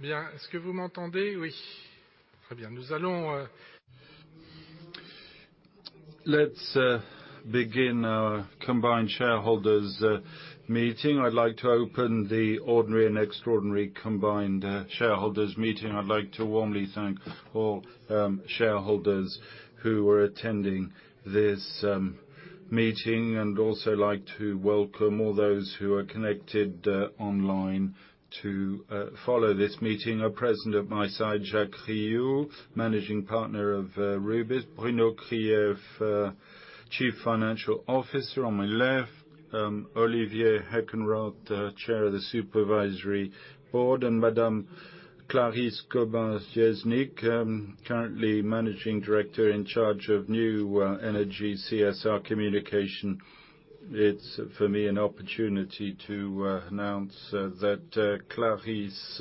Bien. Est-ce que vous m'entendez? Oui. Très bien. Nous allons Let's begin our combined shareholders meeting. I'd like to open the ordinary and extraordinary combined shareholders meeting. I'd like to warmly thank all shareholders who are attending this meeting, and also like to welcome all those who are connected online to follow this meeting. Are present at my side, Jacques Riou, Managing Partner of Rubis. Bruno Krief, Chief Financial Officer. On my left, Olivier Heckenroth, Chair of the Supervisory Board, and Clarisse Gobin-Swiecznik, currently Managing Director in charge of new energy CSR communication. It's, for me, an opportunity to announce that Clarisse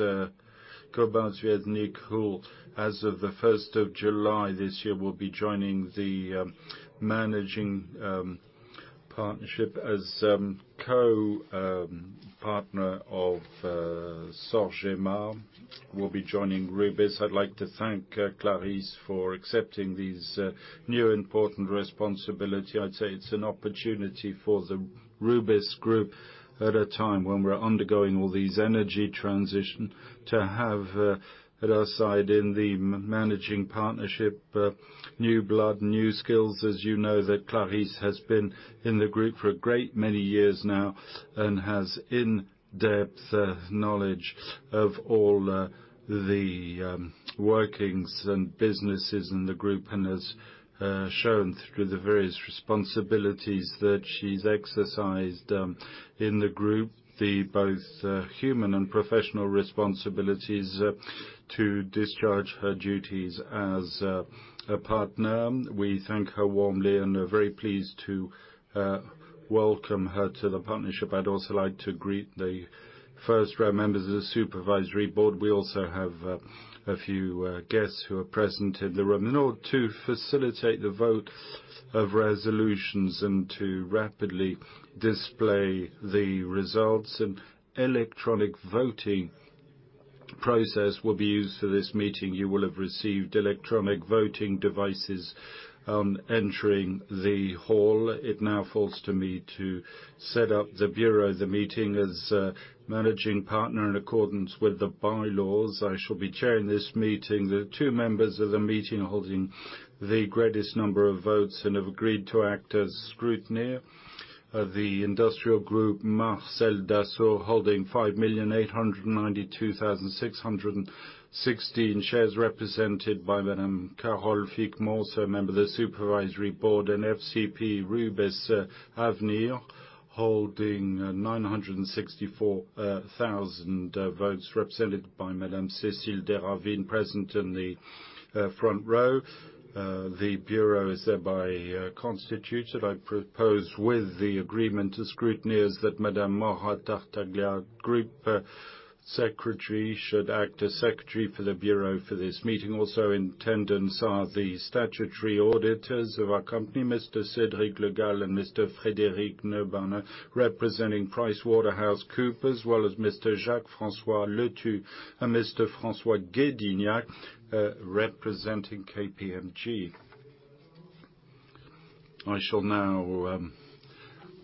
Gobin-Swiecznik, who, as of the first of July this year, will be joining the managing partnership as co-partner of Sorgema, will be joining Rubis. I'd like to thank Clarisse for accepting these new, important responsibility. I'd say it's an opportunity for the Rubis Group at a time when we're undergoing all these energy transition, to have at our side in the managing partnership, new blood, new skills. As you know, that Clarisse has been in the group for a great many years now, and has in-depth knowledge of all the workings and businesses in the group, and has shown through the various responsibilities that she's exercised in the group, the both human and professional responsibilities, to discharge her duties as a partner. We thank her warmly and are very pleased to welcome her to the partnership. I'd also like to greet the first round members of the Supervisory Board. We also have a few guests who are present in the room. In order to facilitate the vote of resolutions and to rapidly display the results, an electronic voting process will be used for this meeting. You will have received electronic voting devices on entering the hall. It now falls to me to set up the Bureau. The meeting is managing partner in accordance with the bylaws. I shall be chairing this meeting. The two members of the meeting holding the greatest number of votes and have agreed to act as scrutineer. The Groupe Industriel Marcel Dassault, holding 5,892,616 shares, represented by Madame Carole Fiquemont, also a member of the Supervisory Board, and FCP Rubis Avenir, holding 964,000 votes, represented by Madame Cécile Desravines, present in the front row. The Bureau is thereby constituted. I propose, with the agreement to scrutineers, that Madame Morand Tartaglia, Group Secretary, should act as Secretary for the Bureau for this meeting. Also in attendance are the statutory auditors of our company, Mr. Cédric Le Gall and Mr. Frédéric Nobanne, representing PricewaterhouseCoopers, as well as Mr. Jacques Francois Le Thuy and Mr. Francois Guédignac, representing KPMG. I shall now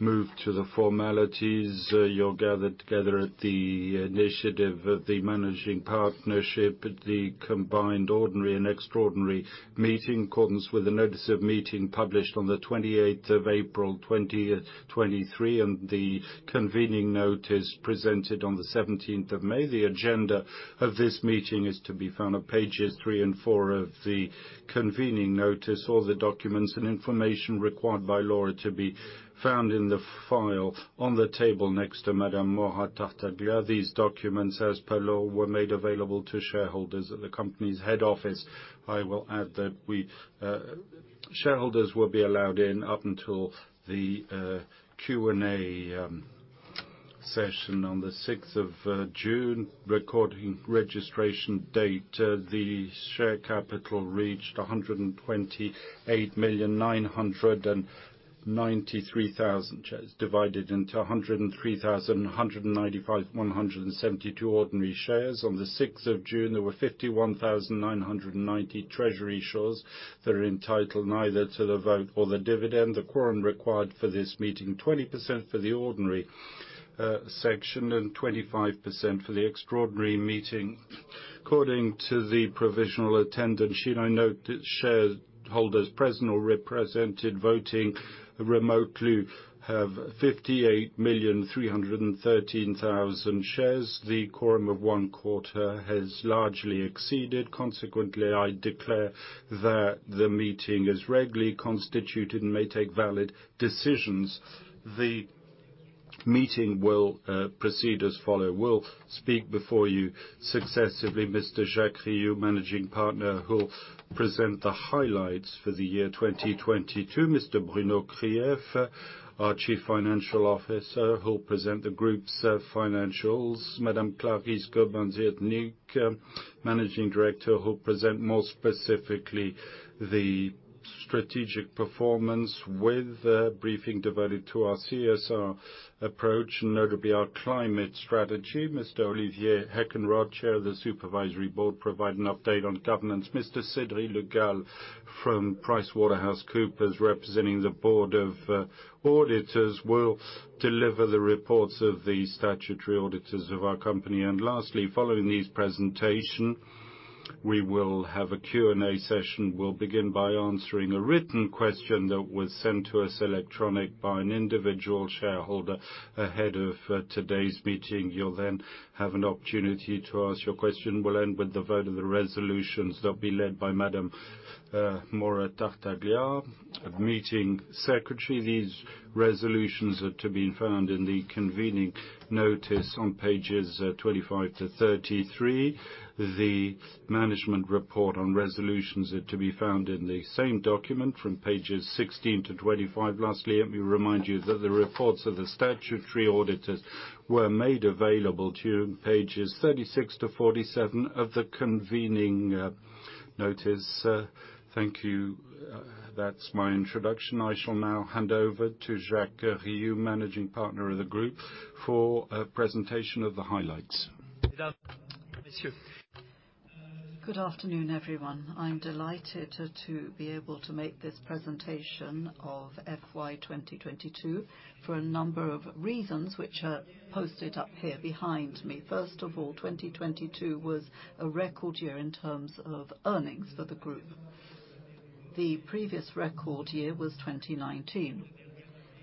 move to the formalities. You're gathered together at the initiative of the managing partnership at the combined ordinary and extraordinary meeting, accordance with the notice of meeting published on the 28th of April, 2023, and the convening notice presented on the 17th of May. The agenda of this meeting is to be found on pages 3 and 4 of the convening notice. All the documents and information required by law are to be found in the file on the table next to Madame Morand Tartaglia. These documents, as per law, were made available to shareholders at the company's head office. I will add that Shareholders will be allowed in up until the Q&A session on the 6th of June. Recording registration date, the share capital reached 128,993,000 shares, divided into 103,195,172 ordinary shares. On the 6th of June, there were 51,990 treasury shares that are entitled neither to the vote or the dividend. The quorum required for this meeting, 20% for the ordinary section and 25% for the extraordinary meeting. According to the provisional attendance sheet, I note that shareholders present or represented, voting remotely, have 58,313,000 shares. The quorum of one quarter has largely exceeded. Consequently, I declare that the meeting is regularly constituted and may take valid decisions. The meeting will proceed as follow: Will speak before you successively, Mr. Jacques Riou, Managing Partner, who will present the highlights for the year 2022. Mr. Bruno Krief, our Chief Financial Officer, who will present the group's financials. Madame Clarisse Gobin-Swiecznik, Managing Director, who will present more specifically the strategic performance with a briefing devoted to our CSR approach, and notably our climate strategy. Mr. Olivier Heckenroth, Chair of the Supervisory Board, provide an update on governance. Mr. Cédric Le Gall from PricewaterhouseCoopers, representing the board of auditors, will deliver the reports of the statutory auditors of our company. Lastly, following this presentation, we will have a Q&A session. We'll begin by answering a written question that was sent to us electronic by an individual shareholder ahead of today's meeting. You'll have an opportunity to ask your question. We'll end with the vote of the resolutions that will be led by Maura Tartaglia, our meeting secretary. These resolutions are to be found in the convening notice on pages 25 to 33. The management report on resolutions are to be found in the same document from pages 16 to 25. Lastly, let me remind you that the reports of the statutory auditors were made available to you on pages 36 to 47 of the convening notice. Thank you. That's my introduction. I shall now hand over to Jacques Riou, Managing Partner of the group, for a presentation of the highlights. Good afternoon, everyone. I'm delighted to be able to make this presentation of FY 2022 for a number of reasons which are posted up here behind me. First of all, 2022 was a record year in terms of earnings for the group. The previous record year was 2019,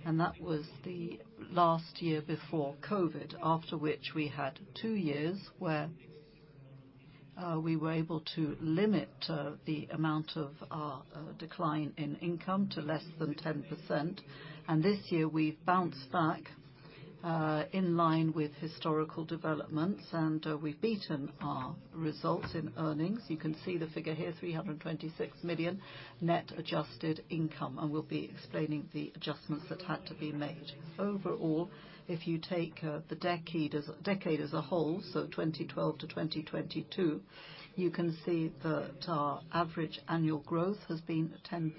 and that was the last year before COVID, after which we had 2 years where we were able to limit the amount of our decline in income to less than 10%. This year, we've bounced back in line with historical developments, and we've beaten our results in earnings. You can see the figure here, 326 million net adjusted income, and we'll be explaining the adjustments that had to be made. Overall, if you take the decade as a whole, so 2012 to 2022, you can see that our average annual growth has been 10%.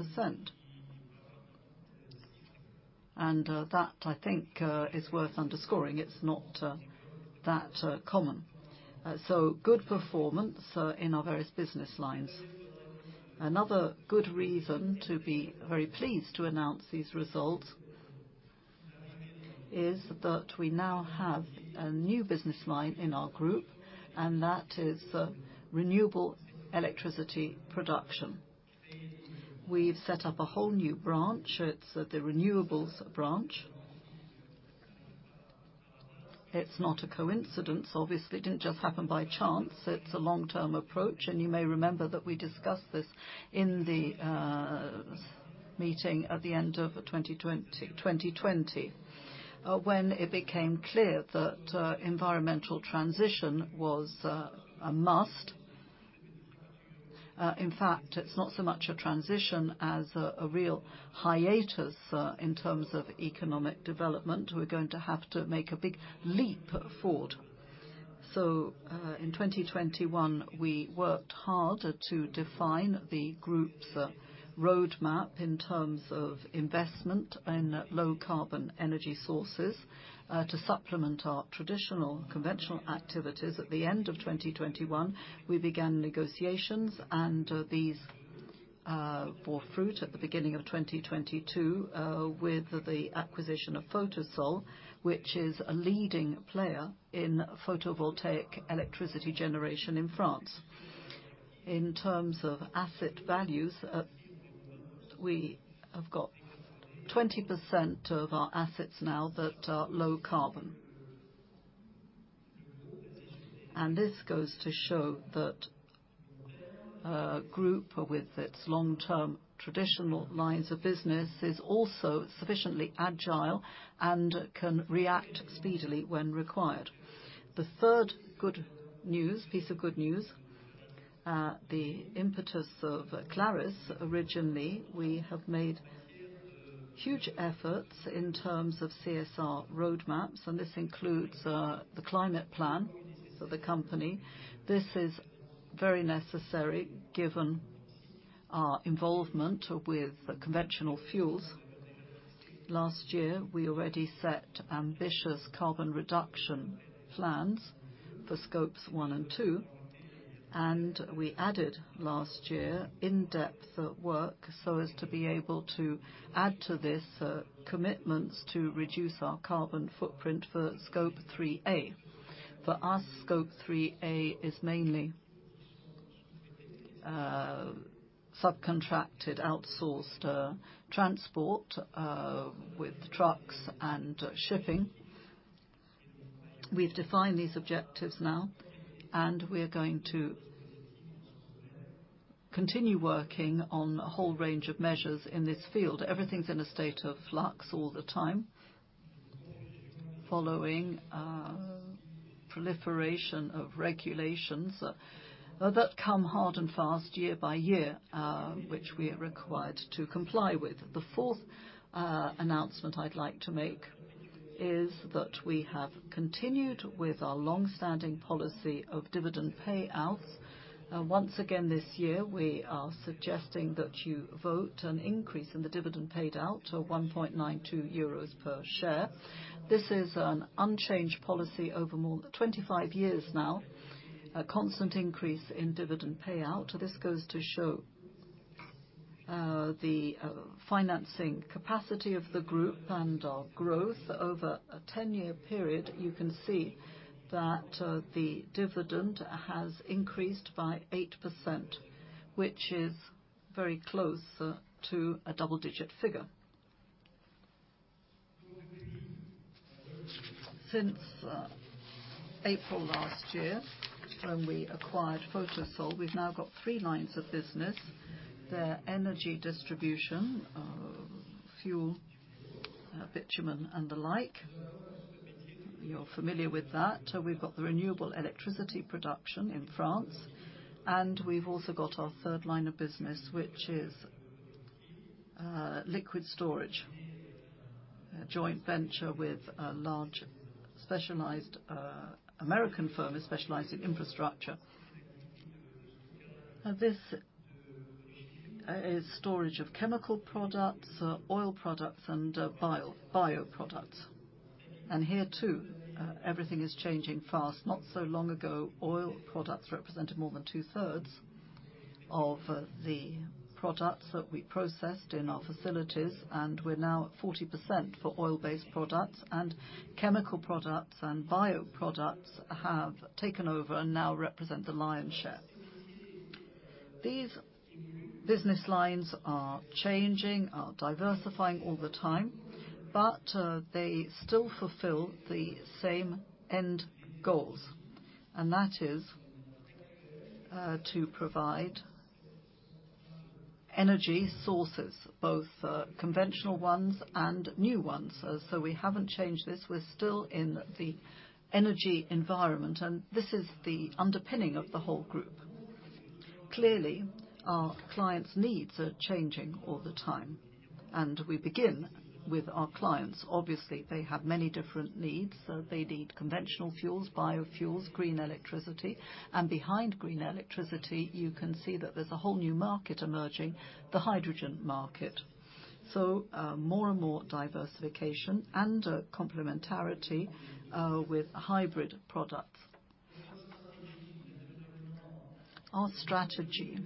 That, I think, is worth underscoring. It's not that common. Good performance in our various business lines. Another good reason to be very pleased to announce these results is that we now have a new business line in our group, and that is renewable electricity production. We've set up a whole new branch. It's the renewables branch. It's not a coincidence. Obviously, it didn't just happen by chance. It's a long-term approach, and you may remember that we discussed this in the meeting at the end of 2020, when it became clear that environmental transition was a must. In fact, it's not so much a transition as a real hiatus in terms of economic development. We're going to have to make a big leap forward. In 2021, we worked hard to define the group's roadmap in terms of investment in low-carbon energy sources to supplement our traditional conventional activities. At the end of 2021, we began negotiations, and these bore fruit at the beginning of 2022 with the acquisition of Photosol, which is a leading player in photovoltaic electricity generation in France. In terms of asset values, we have got 20% of our assets now that are low carbon. This goes to show that a group with its long-term traditional lines of business is also sufficiently agile and can react speedily when required. The third good news, piece of good news, the impetus of Clarisse. Originally, we have made huge efforts in terms of CSR roadmaps, this includes the climate plan for the company. This is very necessary given our involvement with conventional fuels. Last year, we already set ambitious carbon reduction plans for Scope 1 and 2, we added last year in-depth work so as to be able to add to this commitments to reduce our carbon footprint for Scope 3A. For us, Scope 3A is mainly subcontracted, outsourced transport with trucks and shipping. We've defined these objectives now, we are going to continue working on a whole range of measures in this field. Everything's in a state of flux all the time, following a proliferation of regulations that come hard and fast year by year, which we are required to comply with. The fourth announcement I'd like to make is that we have continued with our long-standing policy of dividend payouts. Once again, this year, we are suggesting that you vote an increase in the dividend paid out to 1.92 euros per share. This is an unchanged policy over more than 25 years now, a constant increase in dividend payout. This goes to show the financing capacity of the group and our growth over a 10-year period, you can see that the dividend has increased by 8%, which is very close to a double-digit figure. Since April last year, when we acquired Photosol, we've now got three lines of business. They're energy distribution, fuel, bitumen, and the like. You're familiar with that. We've got the renewable electricity production in France, and we've also got our third line of business, which is liquid storage, a joint venture with a large, specialized American firm that specializes in infrastructure. This is storage of chemical products, oil products, and bioproducts. Here, too, everything is changing fast. Not so long ago, oil products represented more than 2/3 of the products that we processed in our facilities, and we're now at 40% for oil-based products, and chemical products, and bioproducts have taken over and now represent the lion's share. These business lines are changing, are diversifying all the time, they still fulfill the same end goals, and that is to provide energy sources, both conventional ones and new ones. We haven't changed this. We're still in the energy environment, and this is the underpinning of the whole group. Clearly, our clients' needs are changing all the time. We begin with our clients. Obviously, they have many different needs. They need conventional fuels, biofuels, green electricity. Behind green electricity, you can see that there's a whole new market emerging, the hydrogen market. More and more diversification and a complementarity with hybrid products. Our strategy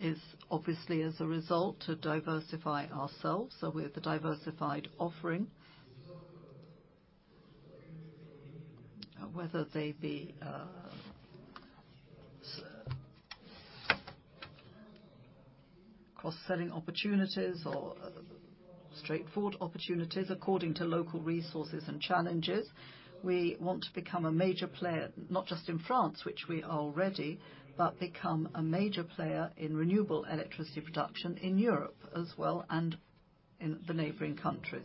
is, obviously, as a result, to diversify ourselves. We have the diversified offering. Whether they be cross-selling opportunities or straightforward opportunities, according to local resources and challenges, we want to become a major player, not just in France, which we are already, but become a major player in renewable electricity production in Europe as well, and in the neighboring countries.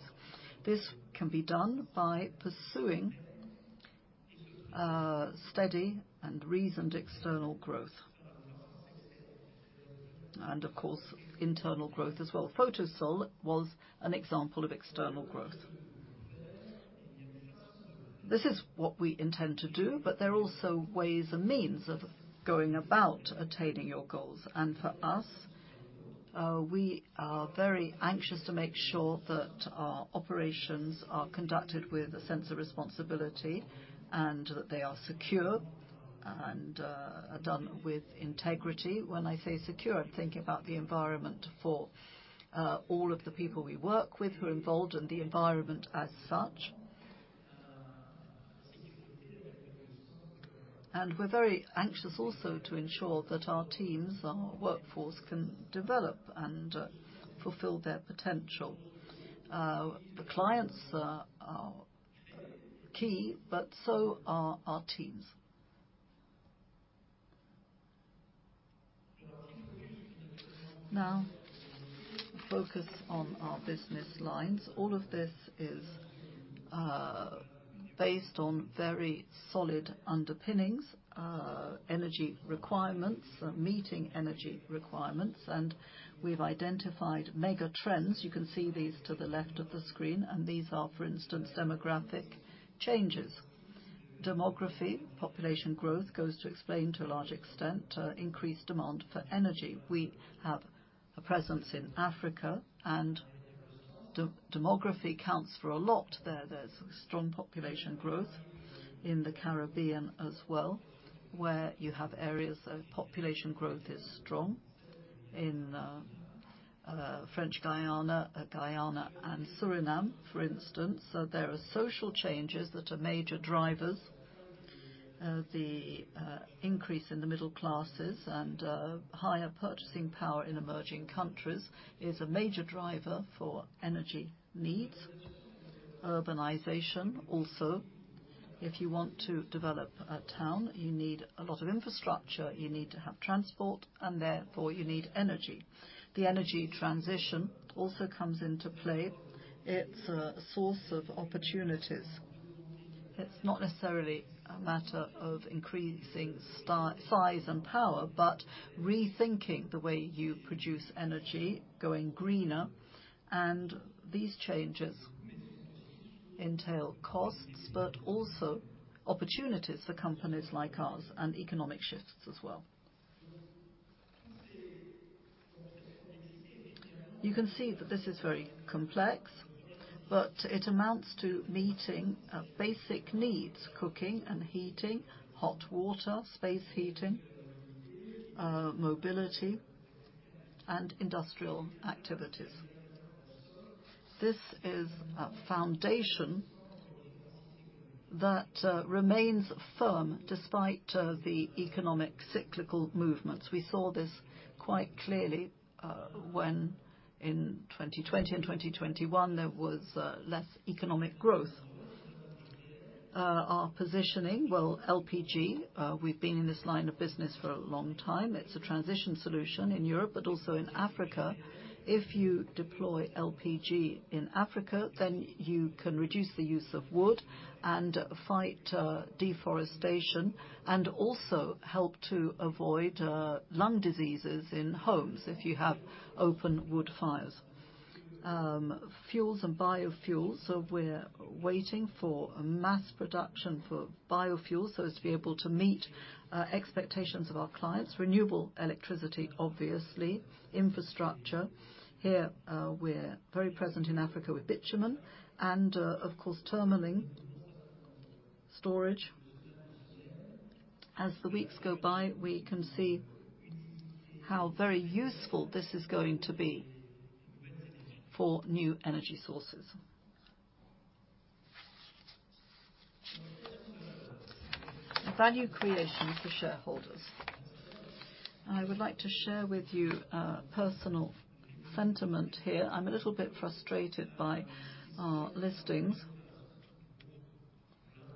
This can be done by pursuing steady and reasoned external growth, and of course, internal growth as well. Photosol was an example of external growth. This is what we intend to do. There are also ways and means of going about attaining your goals. For us, we are very anxious to make sure that our operations are conducted with a sense of responsibility, and that they are secure, and are done with integrity. When I say secure, I'm thinking about the environment for all of the people we work with who are involved in the environment as such. We're very anxious also to ensure that our teams, our workforce, can develop and fulfill their potential. The clients are key, but so are our teams. Now, focus on our business lines. All of this is based on very solid underpinnings, energy requirements, meeting energy requirements. We've identified mega trends. You can see these to the left of the screen. These are, for instance, demographic changes. Demography, population growth, goes to explain, to a large extent, increased demand for energy. We have a presence in Africa. Demography counts for a lot there. There's strong population growth in the Caribbean as well, where you have areas of population growth is strong, in French Guyana, and Suriname, for instance. There are social changes that are major drivers. The increase in the middle classes and higher purchasing power in emerging countries is a major driver for energy needs. Urbanization, also, if you want to develop a town, you need a lot of infrastructure, you need to have transport, and therefore, you need energy. The energy transition also comes into play. It's a source of opportunities. It's not necessarily a matter of increasing size and power, but rethinking the way you produce energy, going greener. These changes entail costs, but also opportunities for companies like ours and economic shifts as well. You can see that this is very complex. It amounts to meeting basic needs, cooking and heating, hot water, space heating, mobility, and industrial activities. This is a foundation that remains firm despite the economic cyclical movements. We saw this quite clearly when in 2020 and 2021, there was less economic growth. Our positioning, well, LPG, we've been in this line of business for a long time. It's a transition solution in Europe, but also in Africa. If you deploy LPG in Africa, you can reduce the use of wood and fight deforestation, and also help to avoid lung diseases in homes if you have open wood fires. Fuels and biofuels, we're waiting for mass production for biofuels, so as to be able to meet expectations of our clients. Renewable electricity, obviously. Infrastructure, here, we're very present in Africa with bitumen and, of course, terminalling, storage. As the weeks go by, we can see how very useful this is going to be for new energy sources. Value creation for shareholders. I would like to share with you a personal sentiment here. I'm a little bit frustrated by our listings.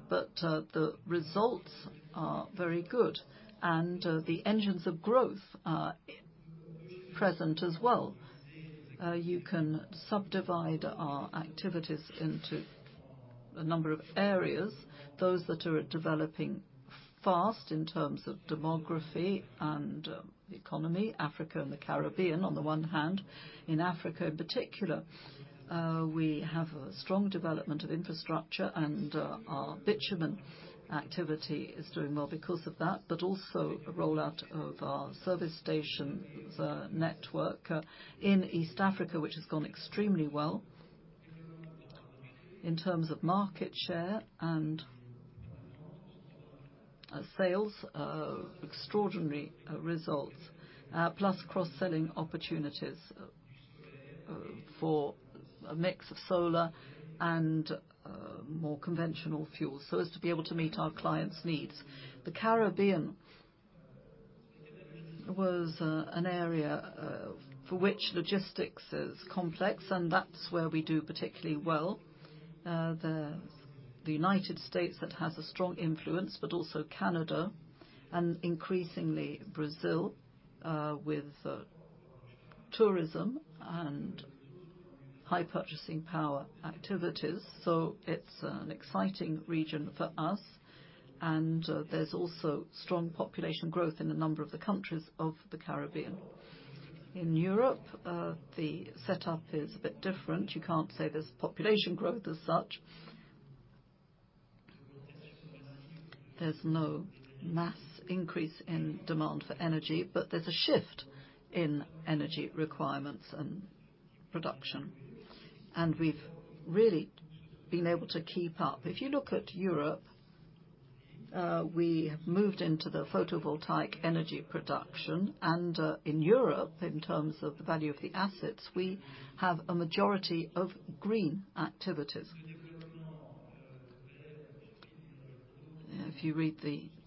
The results are very good. The engines of growth are present as well. You can subdivide our activities into a number of areas, those that are developing fast in terms of demography and economy, Africa and the Caribbean, on the one hand. In Africa, in particular, we have a strong development of infrastructure. Our bitumen activity is doing well because of that. Also a rollout of our service station network in East Africa, which has gone extremely well. In terms of market share and sales, extraordinary results, plus cross-selling opportunities for a mix of solar and more conventional fuels, so as to be able to meet our clients' needs. The Caribbean was an area for which logistics is complex, that's where we do particularly well. The United States, that has a strong influence, also Canada and increasingly Brazil, with tourism and high purchasing power activities. It's an exciting region for us, there's also strong population growth in a number of the countries of the Caribbean. In Europe, the setup is a bit different. You can't say there's population growth as such. There's no mass increase in demand for energy, there's a shift in energy requirements and production, we've really been able to keep up. If you look at Europe, we have moved into the photovoltaic energy production, in Europe, in terms of the value of the assets, we have a majority of green activities. If you read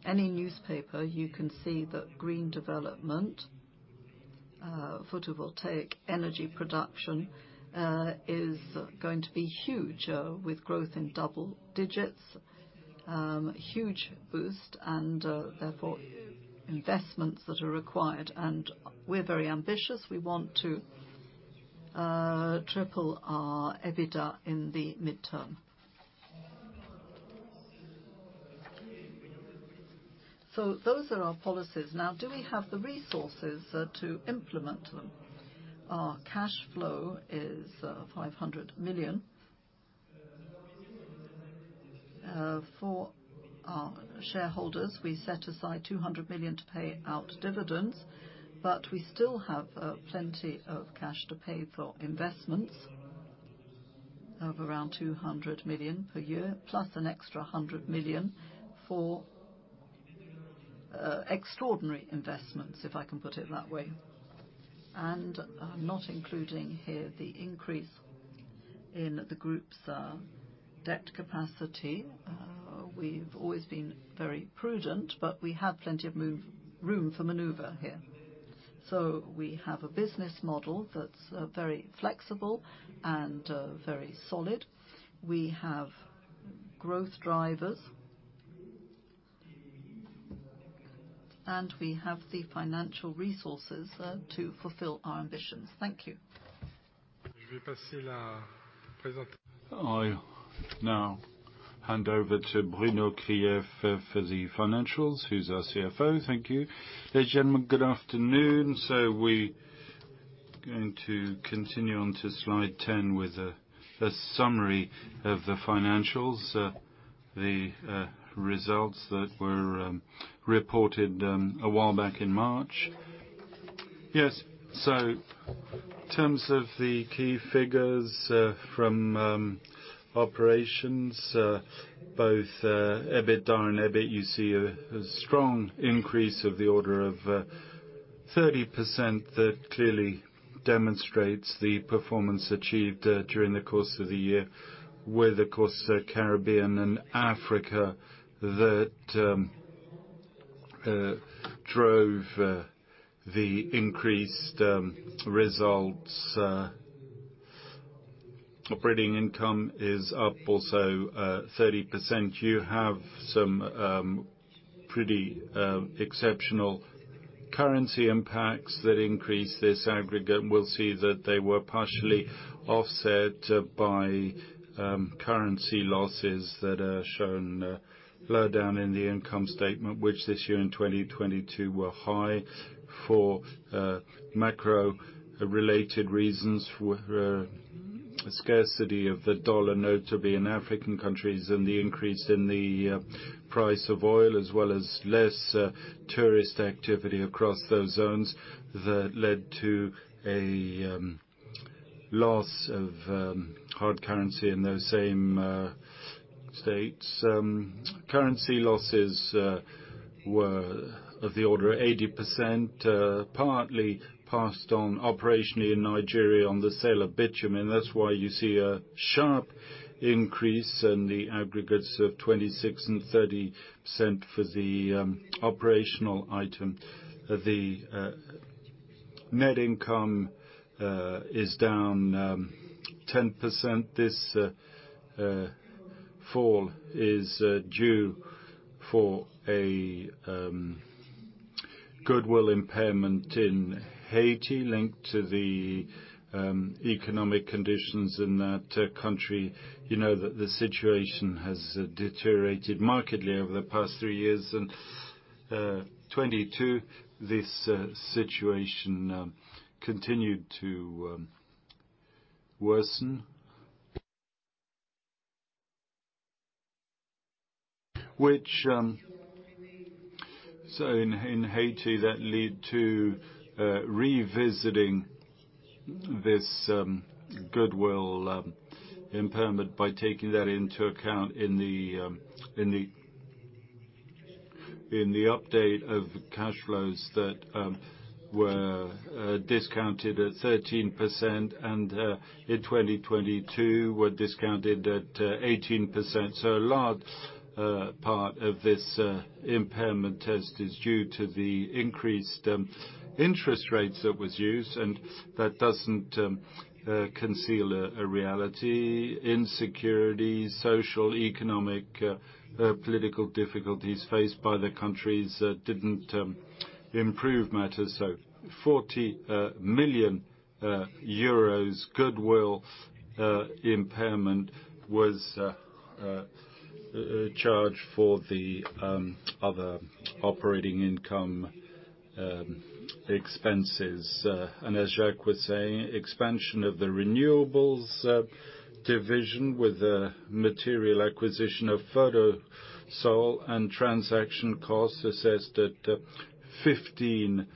any newspaper, you can see that green development, photovoltaic energy production is going to be huge with growth in double digits. Huge boost and therefore, investments that are required. We're very ambitious. We want to triple our EBITDA in the midterm. Those are our policies. Do we have the resources to implement them? Our cash flow is 500 million. For our shareholders, we set aside 200 million to pay out dividends, but we still have plenty of cash to pay for investments of around 200 million per year, plus an extra 100 million for extraordinary investments, if I can put it that way. Not including here the increase in the group's debt capacity. We've always been very prudent, we have plenty of room for maneuver here. We have a business model that's very flexible and very solid. We have growth drivers. We have the financial resources to fulfill our ambitions. Thank you. I now hand over to Bruno Krief for the financials, who's our CFO. Thank you. Ladies and gentlemen, good afternoon. We going to continue on to slide 10 with a summary of the financials. The results that were reported a while back in March. Yes. In terms of the key figures from operations, both EBITDA and EBIT, you see a strong increase of the order of 30% that clearly demonstrates the performance achieved during the course of the year, with, of course, Caribbean and Africa, that drove the increased results. Operating income is up also 30%. You have some pretty exceptional currency impacts that increase this aggregate, and we'll see that they were partially offset by currency losses that are shown lower down in the income statement, which this year in 2022 were high for macro-related reasons, with scarcity of the dollar notably in African countries, and the increase in the price of oil, as well as less tourist activity across those zones, that led to a loss of hard currency in those same states. Currency losses were of the order of 80%, partly passed on operationally in Nigeria on the sale of bitumen. That's why you see a sharp increase in the aggregates of 26% and 30% for the operational item. The net income is down 10%. This fall is due for a goodwill impairment in Haiti linked to the economic conditions in that country. You know that the situation has deteriorated markedly over the past 3 years. 2022, this situation continued to worsen. In Haiti, that lead to revisiting this goodwill impairment by taking that into account in the update of cash flows that were discounted at 13%, and in 2022, were discounted at 18%. A large part of this impairment test is due to the increased interest rates that was used, and that doesn't conceal a reality. Insecurity, social, economic, political difficulties faced by the countries didn't improve matters. 40 million euros goodwill impairment was charged for the other operating income expenses. As Jacques was saying, expansion of the renewables division, with the material acquisition of Photosol and transaction costs, assessed at 15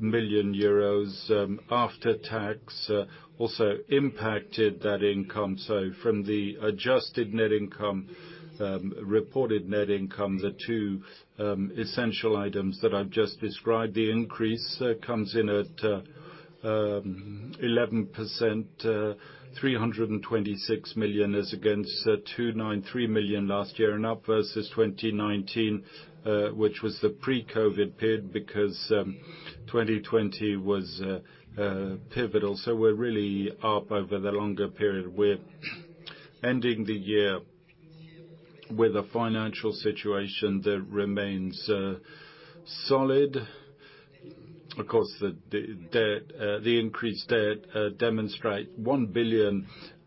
million euros after tax, also impacted that income. From the adjusted net income, reported net income, the two essential items that I've just described, the increase comes in at 11%, 326 million as against 293 million last year, and up versus 2019, which was the pre-COVID period, because 2020 was pivotal. We're really up over the longer period. We're ending the year with a financial situation that remains solid. Of course, the increased debt demonstrate 1 billion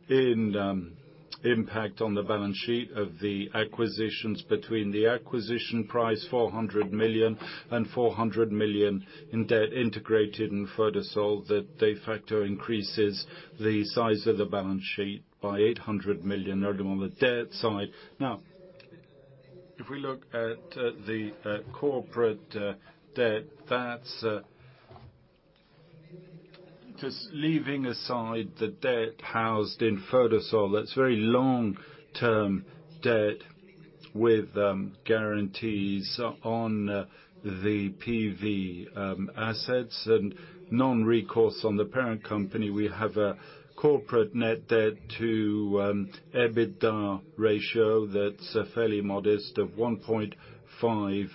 in impact on the balance sheet of the acquisitions. Between the acquisition price, 400 million, and 400 million in debt integrated in Photosol, that de facto increases the size of the balance sheet by 800 million only on the debt side. Now, if we look at the corporate debt. Just leaving aside the debt housed in Photosol, that's very long-term debt with guarantees on the PV assets and non-recourse on the parent company. We have a corporate net debt to EBITDA ratio that's fairly modest, of 1.5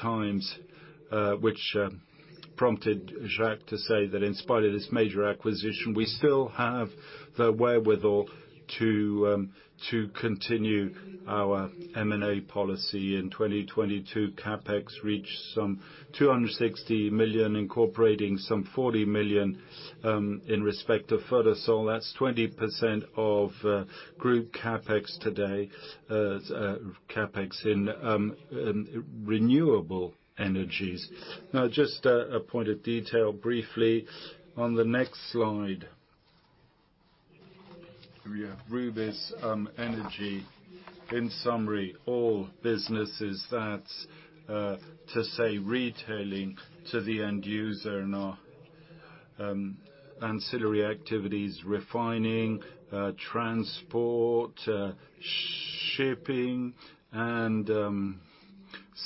times, which prompted Jacques to say that in spite of this major acquisition, we still have the wherewithal to continue our M&A policy. In 2022, CapEx reached some 260 million, incorporating some 40 million in respect to Photosol. That's 20% of group CapEx today, CapEx in renewable energies. Just a point of detail briefly on the next slide. Rubis Énergie, in summary, all businesses that to say retailing to the end user and our ancillary activities, refining, transport, shipping, and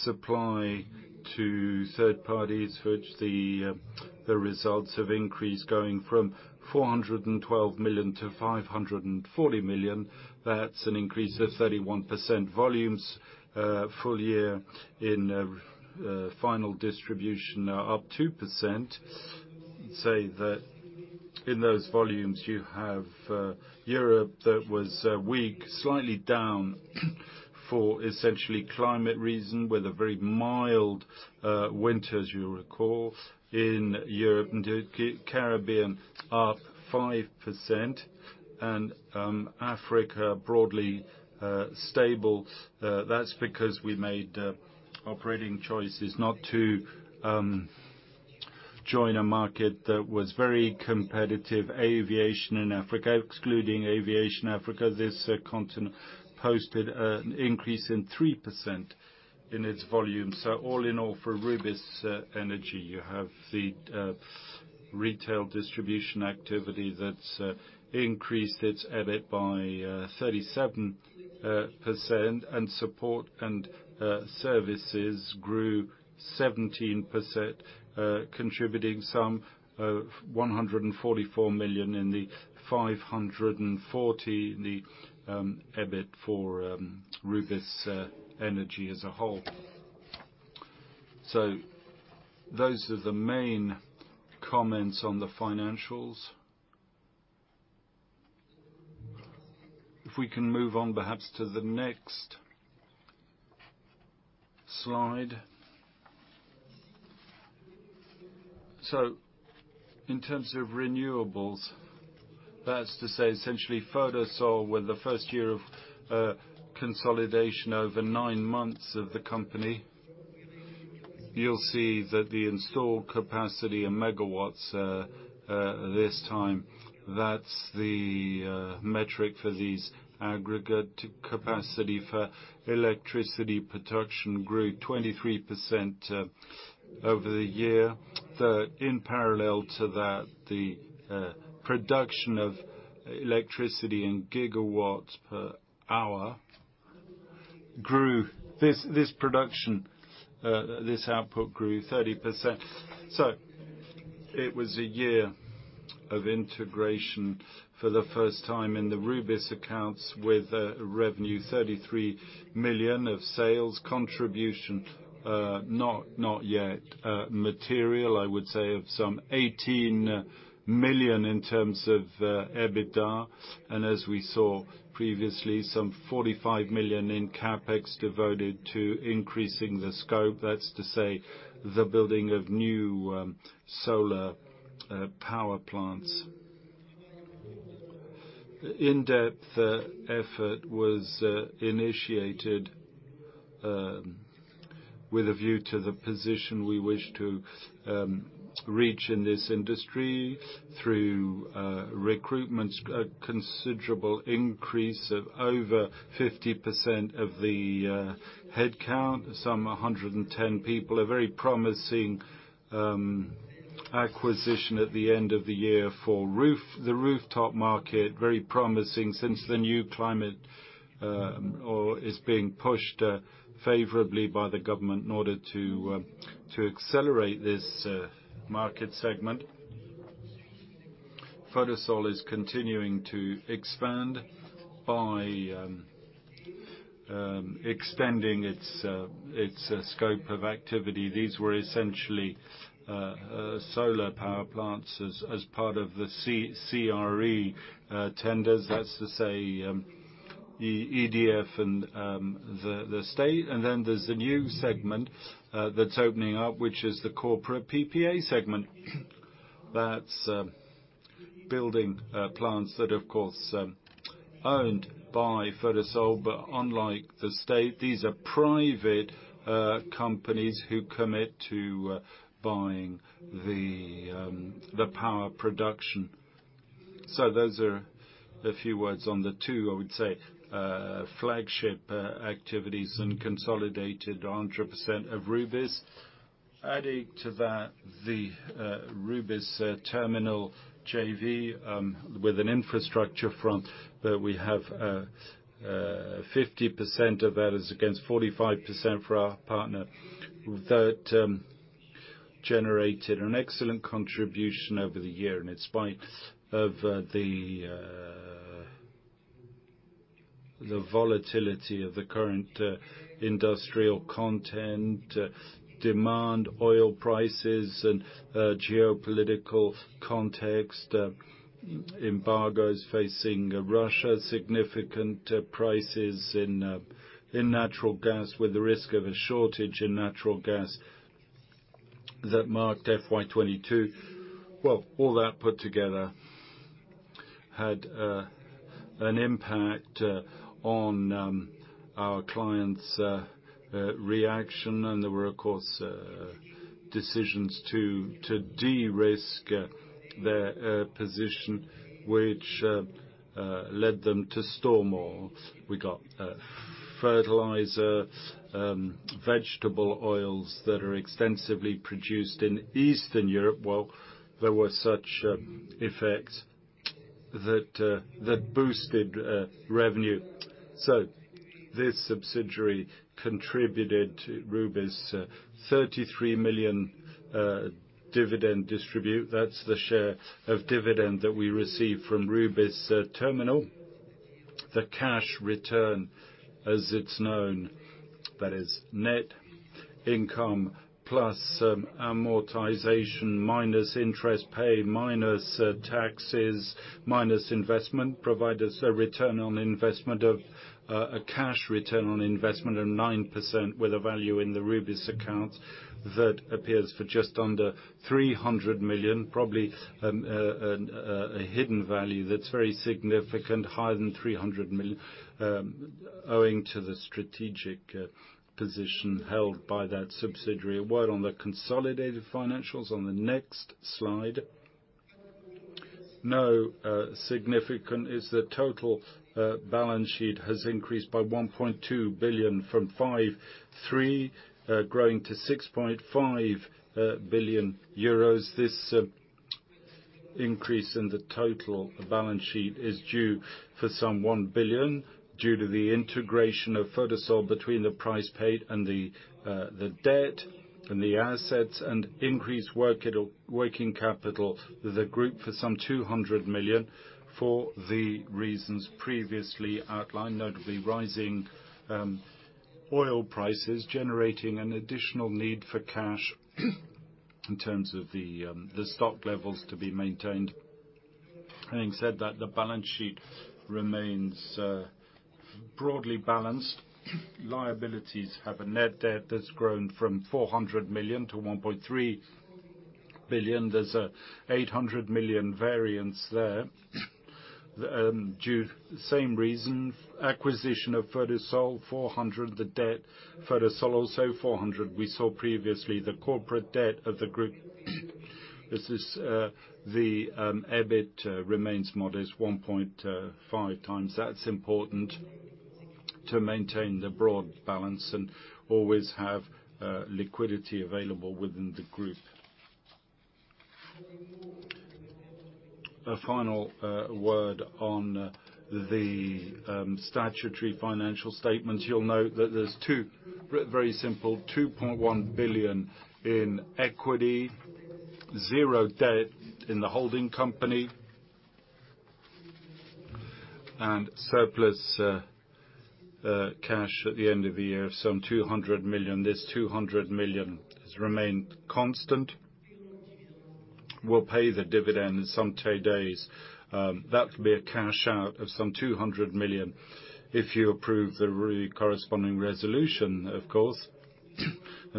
supply to third parties, which the results have increased, going from 412 million to 540 million. That's an increase of 31%. Volumes, full year in final distribution are up 2%. Say that in those volumes, you have Europe, that was weak, slightly down for essentially climate reason, with a very mild winter, as you'll recall, in Europe, and the Caribbean are up 5% and Africa, broadly stable. That's because we made operating choices not to join a market that was very competitive, aviation in Africa. Excluding aviation Africa, this continent posted an increase in 3% in its volume. All in all, for Rubis Energy, you have the retail distribution activity that's increased its EBIT by 37%, and support and services grew 17%, contributing some 144 million in the 540 million, the EBIT for Rubis Energy as a whole. Those are the main comments on the financials. If we can move on, perhaps, to the next slide. In terms of renewables, that's to say essentially Photosol, with the first year of consolidation over 9 months of the company, you'll see that the installed capacity in megawatts, this time, that's the metric for these aggregate capacity for electricity production grew 23% over the year. In parallel to that, the production of electricity in gigawatts per hour grew. This production, this output grew 30%. It was a year of integration for the first time in the Rubis accounts, with revenue 33 million of sales contribution, not yet material, I would say, of 18 million in terms of EBITDA, and as we saw previously, 45 million in CapEx devoted to increasing the scope, that's to say, the building of new solar power plants. In-depth effort was initiated with a view to the position we wish to reach in this industry through recruitment, a considerable increase of over 50% of the headcount, some 110 people. A very promising acquisition at the end of the year for Rubis, the rooftop market, very promising, since the new climate or is being pushed favorably by the government in order to accelerate this market segment. Photosol is continuing to expand by extending its scope of activity. These were essentially solar power plants as part of the CRE tenders, that's to say, the EDF and the state. There's the new segment that's opening up, which is the corporate PPA segment. That's building plants that, of course, owned by Photosol, but unlike the state, these are private companies who commit to buying the power production. Those are a few words on the two, I would say, flagship activities and consolidated on 100% of Rubis. Adding to that, the Rubis Terminal JV, with an infrastructure front, that we have 50% of that is against 45% for our partner. That generated an excellent contribution over the year in spite of the volatility of the current industrial content, demand, oil prices, and geopolitical context, embargos facing Russia, significant prices in natural gas, with the risk of a shortage in natural gas that marked FY22. All that put together had an impact on our clients' reaction, and there were of course, decisions to de-risk their position, which led them to store more. We got fertilizer, vegetable oils that are extensively produced in Eastern Europe. There were such effects that boosted revenue. This subsidiary contributed to Rubis 33 million dividend distribute. That's the share of dividend that we received from Rubis Terminal. The cash return, as it's known, that is net income, plus amortization, minus interest pay, minus taxes, minus investment, provide us a return on investment of a cash return on investment of 9% with a value in the Rubis account that appears for just under 300 million, probably a hidden value that's very significant, higher than 300 million, owing to the strategic position held by that subsidiary. A word on the consolidated financials on the next slide. No, significant is the total balance sheet has increased by 1.2 billion from 5.3, growing to 6.5 billion euros. This increase in the total balance sheet is due for some 1 billion, due to the integration of Photosol between the price paid and the debt from the assets and increased working capital, the group for some 200 million, for the reasons previously outlined, notably rising oil prices, generating an additional need for cash, in terms of the stock levels to be maintained. Having said that, the balance sheet remains broadly balanced. Liabilities have a net debt that's grown from 400 million to 1.3 billion. There's a 800 million variance there. Due same reason, acquisition of Photosol, 400 million, the debt, Photosol, also 400 million. We saw previously the corporate debt of the group. This is the EBIT remains modest, 1.5 times. That's important to maintain the broad balance and always have liquidity available within the group. A final word on the statutory financial statements. You'll note that there's two, very simple, 2.1 billion in equity, 0 debt in the holding company, and surplus cash at the end of the year, some 200 million. This 200 million has remained constant. We'll pay the dividend in some 2 days, that'll be a cash out of some 200 million, if you approve the corresponding resolution, of course.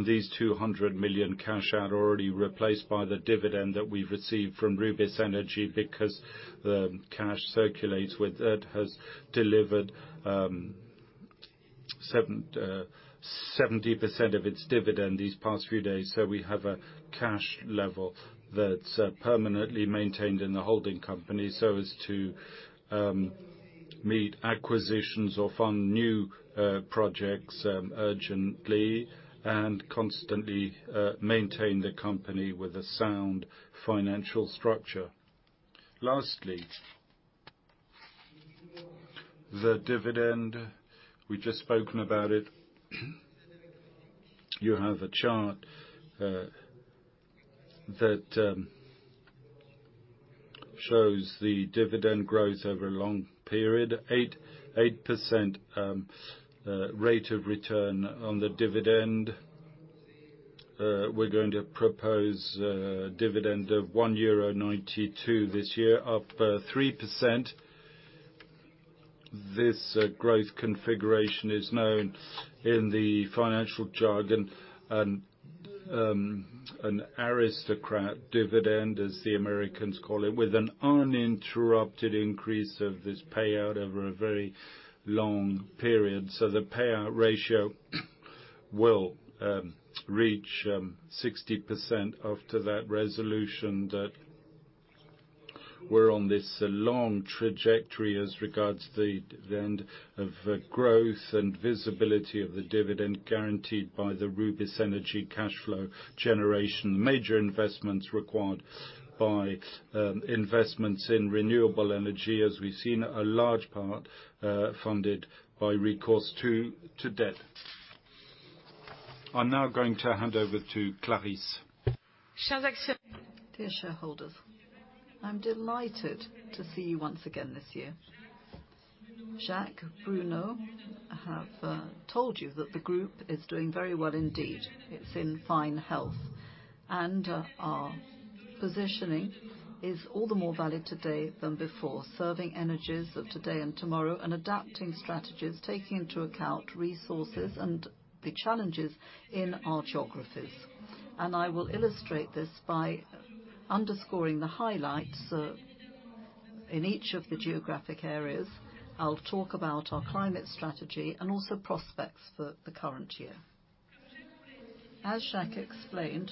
These 200 million cash out already replaced by the dividend that we've received from Rubis Énergie, because the cash circulates with it, has delivered 70% of its dividend these past few days. We have a cash level that's permanently maintained in the holding company so as to meet acquisitions or fund new projects urgently and constantly maintain the company with a sound financial structure. Lastly, the dividend, we've just spoken about it. You have a chart that shows the dividend growth over a long period, 8% rate of return on the dividend. We're going to propose a dividend of 1.92 euro this year, up 3%. This growth configuration is known in the financial jargon, an dividend aristocrat, as the Americans call it, with an uninterrupted increase of this payout over a very long period. The payout ratio, will reach 60% after that resolution, that we're on this long trajectory as regards the end of growth and visibility of the dividend guaranteed by the Rubis Énergie cash flow generation. Major investments required by investments in renewable energy, as we've seen, a large part funded by recourse to debt. I'm now going to hand over to Clarisse. Dear shareholders, I'm delighted to see you once again this year. Jacques, Bruno, have told you that the group is doing very well indeed. It's in fine health, and our positioning is all the more valid today than before, serving energies of today and tomorrow, and adapting strategies, taking into account resources and the challenges in our geographies. I will illustrate this by underscoring the highlights in each of the geographic areas. I'll talk about our climate strategy and also prospects for the current year. As Jacques explained,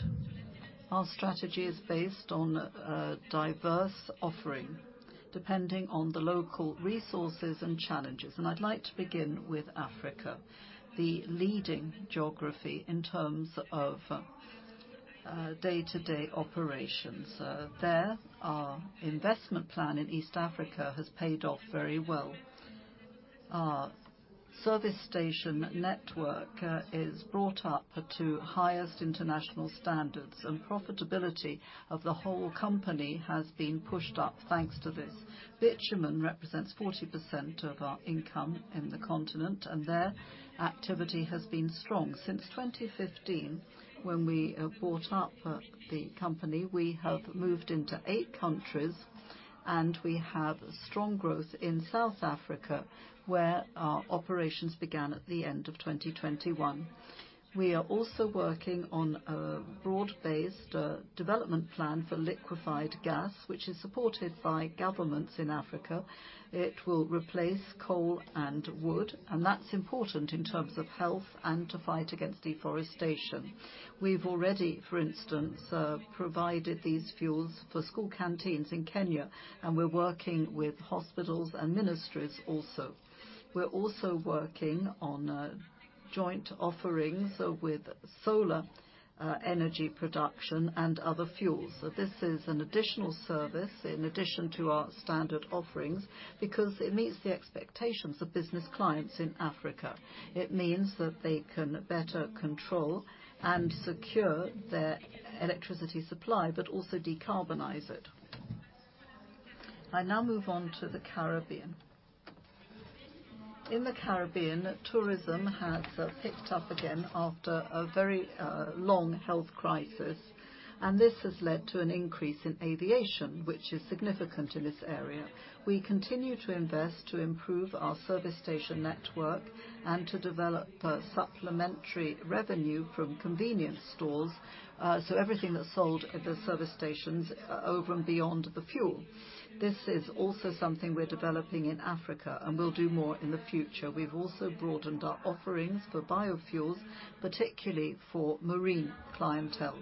our strategy is based on a diverse offering, depending on the local resources and challenges. I'd like to begin with Africa, the leading geography in terms of day-to-day operations. There, our investment plan in East Africa has paid off very well. Our service station network is brought up to highest international standards. Profitability of the whole company has been pushed up, thanks to this. Bitumen represents 40% of our income in the continent. There, activity has been strong. Since 2015, when we bought up the company, we have moved into 8 countries. We have strong growth in South Africa, where our operations began at the end of 2021. We are also working on a broad-based development plan for liquefied gas, which is supported by governments in Africa. It will replace coal and wood. That's important in terms of health and to fight against deforestation. We've already, for instance, provided these fuels for school canteens in Kenya. We're working with hospitals and ministries also. We're also working on joint offerings with solar energy production and other fuels. This is an additional service in addition to our standard offerings, because it meets the expectations of business clients in Africa. It means that they can better control and secure their electricity supply, but also decarbonize it. I now move on to the Caribbean. In the Caribbean, tourism has picked up again after a very long health crisis, and this has led to an increase in aviation, which is significant in this area. We continue to invest to improve our service station network and to develop supplementary revenue from convenience stores, so everything that's sold at the service stations over and beyond the fuel. This is also something we're developing in Africa, and we'll do more in the future. We've also broadened our offerings for biofuels, particularly for marine clientele.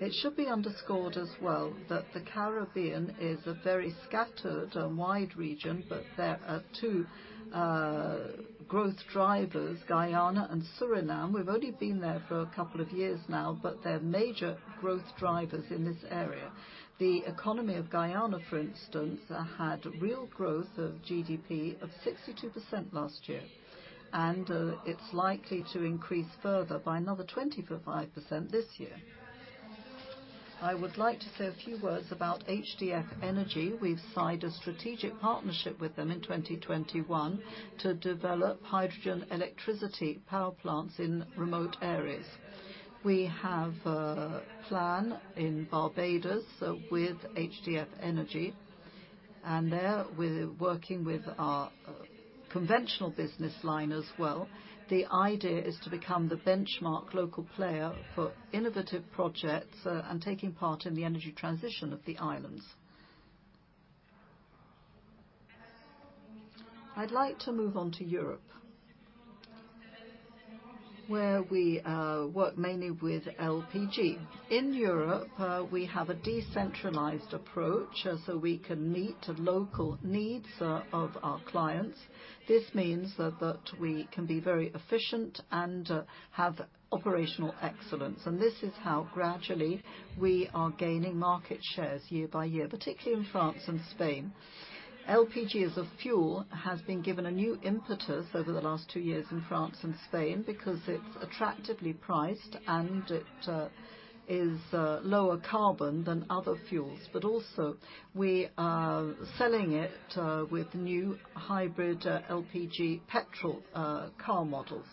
It should be underscored as well that the Caribbean is a very scattered and wide region, there are two growth drivers, Guyana and Suriname. We've only been there for a couple of years now, they're major growth drivers in this area. The economy of Guyana, for instance, had real growth of GDP of 62% last year, it's likely to increase further by another 25% this year. I would like to say a few words about HDF Energy. We've signed a strategic partnership with them in 2021 to develop hydrogen electricity power plants in remote areas. We have a plan in Barbados with HDF Energy, there, we're working with our conventional business line as well. The idea is to become the benchmark local player for innovative projects, taking part in the energy transition of the islands. I'd like to move on to Europe, where we work mainly with LPG. In Europe, we have a decentralized approach, so we can meet the local needs of our clients. This means that we can be very efficient and have operational excellence, and this is how gradually we are gaining market shares year by year, particularly in France and Spain. LPG, as a fuel, has been given a new impetus over the last two years in France and Spain because it's attractively priced, and it is lower carbon than other fuels. Also, we are selling it with new hybrid LPG petrol car models.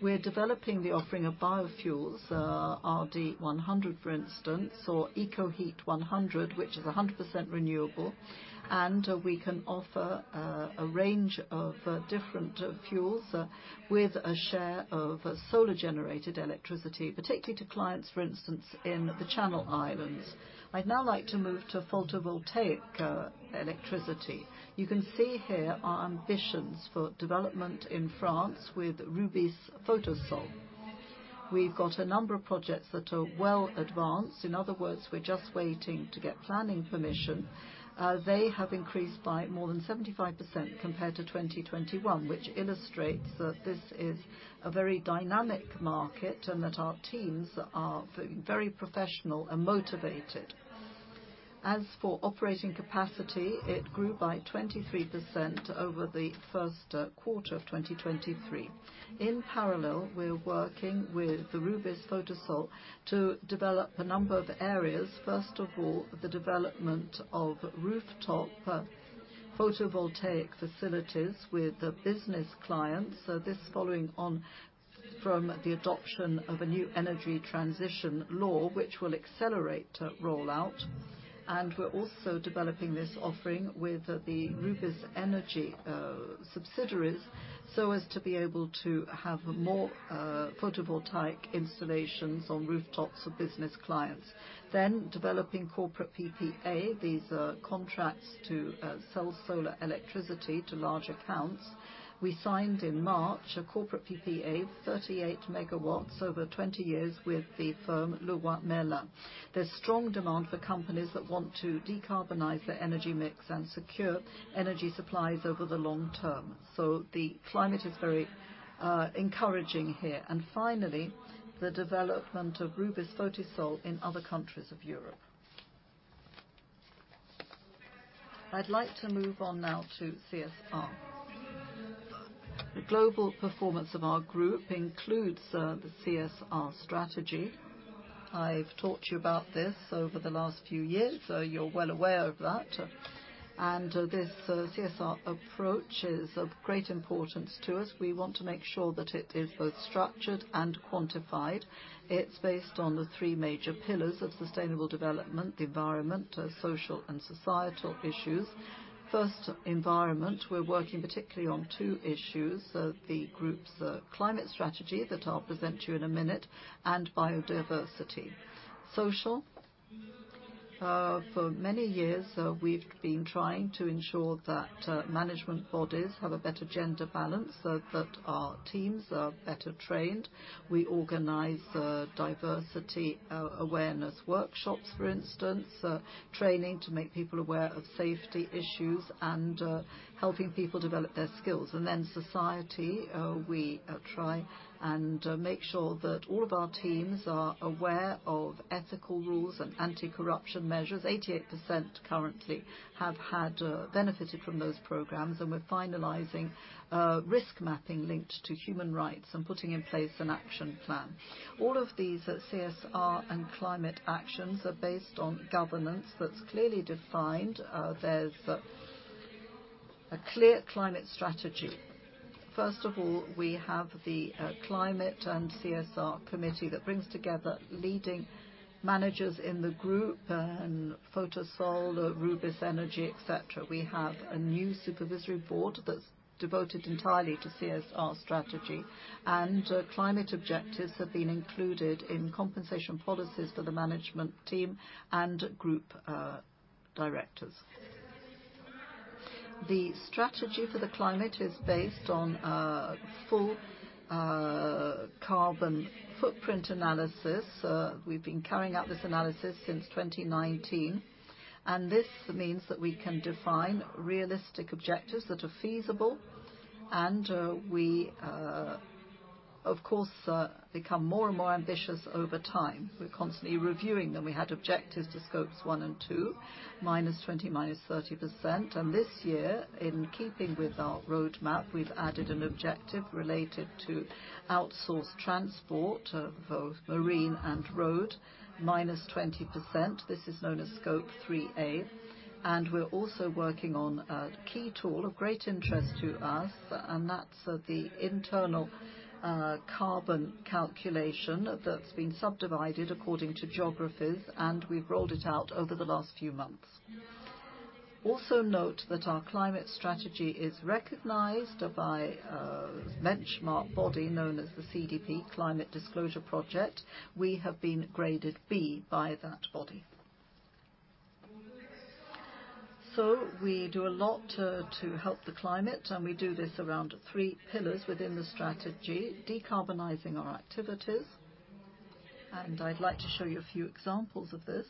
We're developing the offering of biofuels, RD100, for instance, or EcoHeat100, which is 100% renewable, and we can offer a range of different fuels with a share of solar-generated electricity, particularly to clients, for instance, in the Channel Islands. I'd now like to move to photovoltaic electricity. You can see here our ambitions for development in France with Rubis Photosol. We've got a number of projects that are well advanced. In other words, we're just waiting to get planning permission. They have increased by more than 75% compared to 2021, which illustrates that this is a very dynamic market and that our teams are very professional and motivated. As for operating capacity, it grew by 23% over the first quarter of 2023. In parallel, we're working with the Rubis Photosol to develop a number of areas. First of all, the development of rooftop photovoltaic facilities with the business clients. This following on from the adoption of a new energy transition law, which will accelerate rollout. We're also developing this offering with the Rubis Énergie subsidiaries, so as to be able to have more photovoltaic installations on rooftops of business clients. Developing corporate PPA. These are contracts to sell solar electricity to large accounts. We signed in March, a corporate PPA, 38 megawatts over 20 years with the firm Leroy Merlin. There's strong demand for companies that want to decarbonize their energy mix and secure energy supplies over the long term, so the climate is very encouraging here. Finally, the development of Rubis Photosol in other countries of Europe. I'd like to move on now to CSR. The global performance of our group includes the CSR strategy. I've talked to you about this over the last few years, so you're well aware of that. This CSR approach is of great importance to us. We want to make sure that it is both structured and quantified. It's based on the three major pillars of sustainable development, environment, social and societal issues. First, environment. We're working particularly on two issues, the group's climate strategy that I'll present to you in a minute, and biodiversity. Social, for many years, we've been trying to ensure that management bodies have a better gender balance, so that our teams are better trained. We organize diversity awareness workshops, for instance, training to make people aware of safety issues, and helping people develop their skills. and make sure that all of our teams are aware of ethical rules and anti-corruption measures. 88% currently have benefited from those programs, and we're finalizing risk mapping linked to human rights and putting in place an action plan. All of these CSR and climate actions are based on governance that's clearly defined. There's a clear climate strategy. First of all, we have the climate and CSR committee that brings together leading managers in the group, and Photosol, Rubis Énergie, et cetera. We have a new supervisory board that's devoted entirely to CSR strategy, and climate objectives have been included in compensation policies for the management team and group directors. The strategy for the climate is based on a full carbon footprint analysis. We've been carrying out this analysis since 2019, this means that we can define realistic objectives that are feasible, we of course become more and more ambitious over time. We're constantly reviewing them. We had objectives to Scope 1 and 2, -20%, -30%. This year, in keeping with our roadmap, we've added an objective related to outsourced transport, both marine and road, -20%. This is known as Scope 3A. We're also working on a key tool of great interest to us, that's the internal carbon calculation that's been subdivided according to geographies, we've rolled it out over the last few months. Also note that our climate strategy is recognized by a benchmark body known as the CDP, Carbon Disclosure Project. We have been graded B by that body. We do a lot to help the climate, and we do this around three pillars within the strategy, decarbonizing our activities, and I'd like to show you a few examples of this.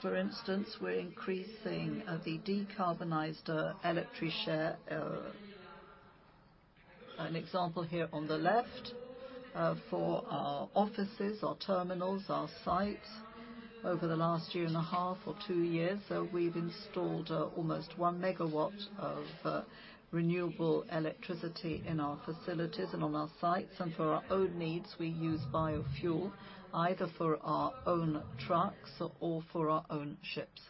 For instance, we're increasing the decarbonized electricity share. An example here on the left, for our offices, our terminals, our sites. Over the last year and a half or two years, we've installed almost one megawatt of renewable electricity in our facilities and on our sites. For our own needs, we use biofuel, either for our own trucks or for our own ships.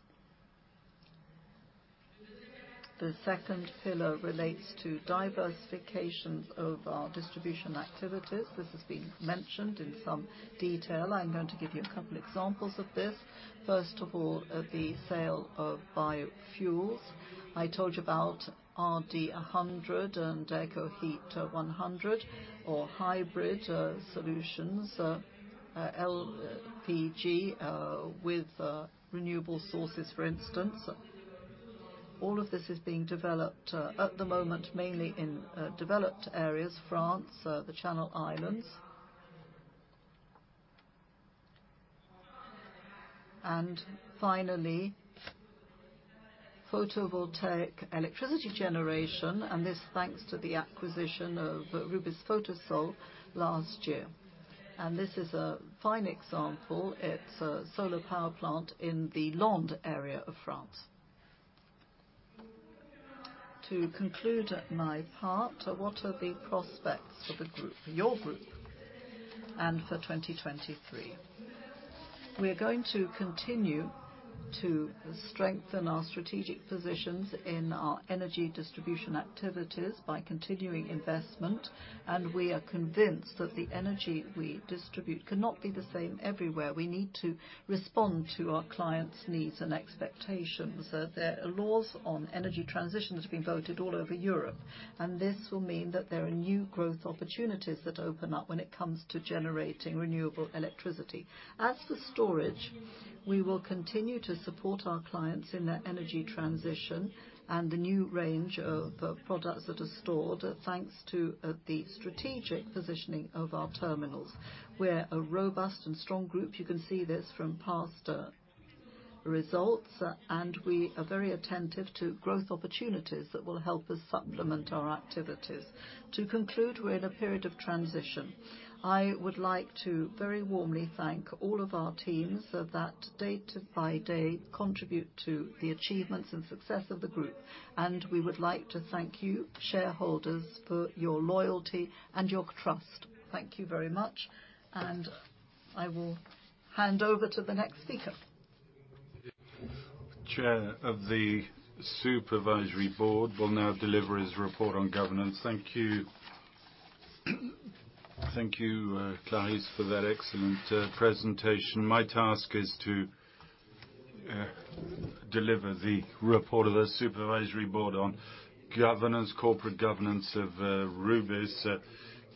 The second pillar relates to diversifications of our distribution activities. This has been mentioned in some detail. I'm going to give you a couple examples of this. First of all, the sale of biofuels. I told you about RD100 and EcoHeat100, or hybrid solutions, LPG, with renewable sources, for instance. All of this is being developed at the moment, mainly in developed areas, France, the Channel Islands. Finally, photovoltaic electricity generation, and this thanks to the acquisition of Rubis Photosol last year. This is a fine example. It's a solar power plant in the Landes area of France. To conclude my part, what are the prospects for the group, your group, and for 2023? We are going to continue to strengthen our strategic positions in our energy distribution activities by continuing investment, and we are convinced that the energy we distribute cannot be the same everywhere. We need to respond to our clients' needs and expectations. There are laws on energy transition that have been voted all over Europe, and this will mean that there are new growth opportunities that open up when it comes to generating renewable electricity. As for storage, we will continue to support our clients in their energy transition and the new range of products that are stored, thanks to the strategic positioning of our terminals. We're a robust and strong group. You can see this from past results, and we are very attentive to growth opportunities that will help us supplement our activities. To conclude, we're in a period of transition. I would like to very warmly thank all of our teams that day by day contribute to the achievements and success of the group. We would like to thank you, shareholders, for your loyalty and your trust. Thank you very much. I will hand over to the next speaker. Chair of the Supervisory Board will now deliver his report on governance. Thank you. Thank you, Clarisse, for that excellent presentation. My task is to deliver the report of the Supervisory Board on governance, corporate governance of Rubis.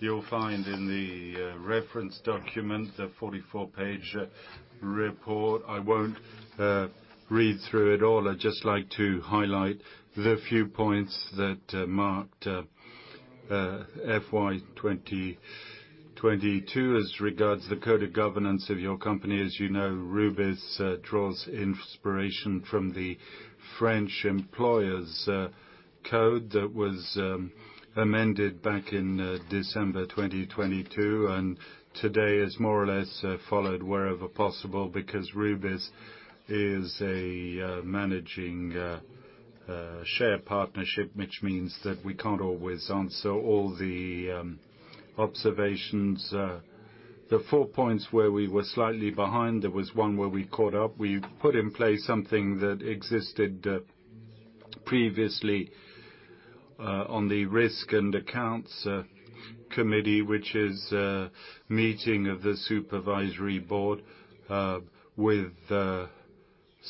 You'll find in the reference document, the 44-page report. I won't read through it all. I'd just like to highlight the few points that marked FY 2022. As regards the Code of Governance of your company, as you know, Rubis draws inspiration from the French Employers Code that was amended back in December 2022, and today is more or less followed wherever possible, because Rubis is a managing share partnership, which means that we can't always answer all the observations. The four points where we were slightly behind, there was one where we caught up. We put in place something that existed previously on the Risk and Accounts Committee, which is a meeting of the Supervisory Board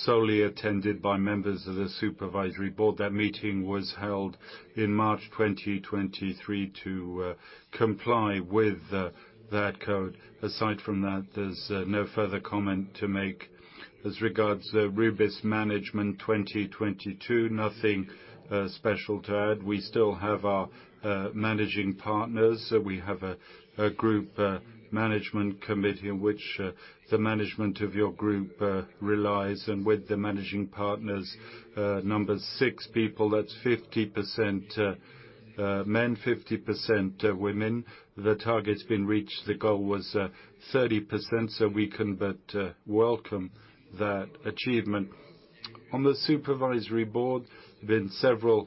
solely attended by members of the Supervisory Board. That meeting was held in March 2023 to comply with that code. Aside from that, there's no further comment to make. As regards the Rubis management 2022, nothing special to add. We still have our managing partners. We have a group Management Committee, in which the management of your group relies, and with the managing partners, numbers six people, that's 50% men, 50% women. The target's been reached. The goal was 30%. We can but welcome that achievement. On the supervisory board, there's been several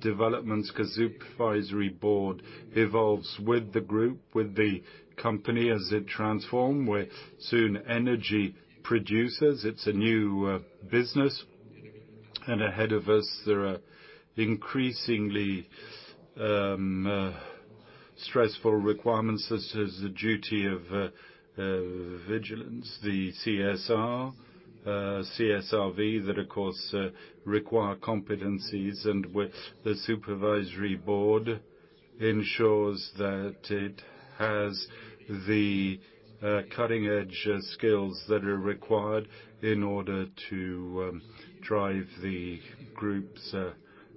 developments, because supervisory board evolves with the group, with the company as it transform. We're soon energy producers. It's a new business, and ahead of us, there are increasingly stressful requirements, such as the duty of vigilance, the CSR, CSRD, that of course, require competencies, and with the supervisory board ensures that it has the cutting-edge skills that are required in order to drive the group's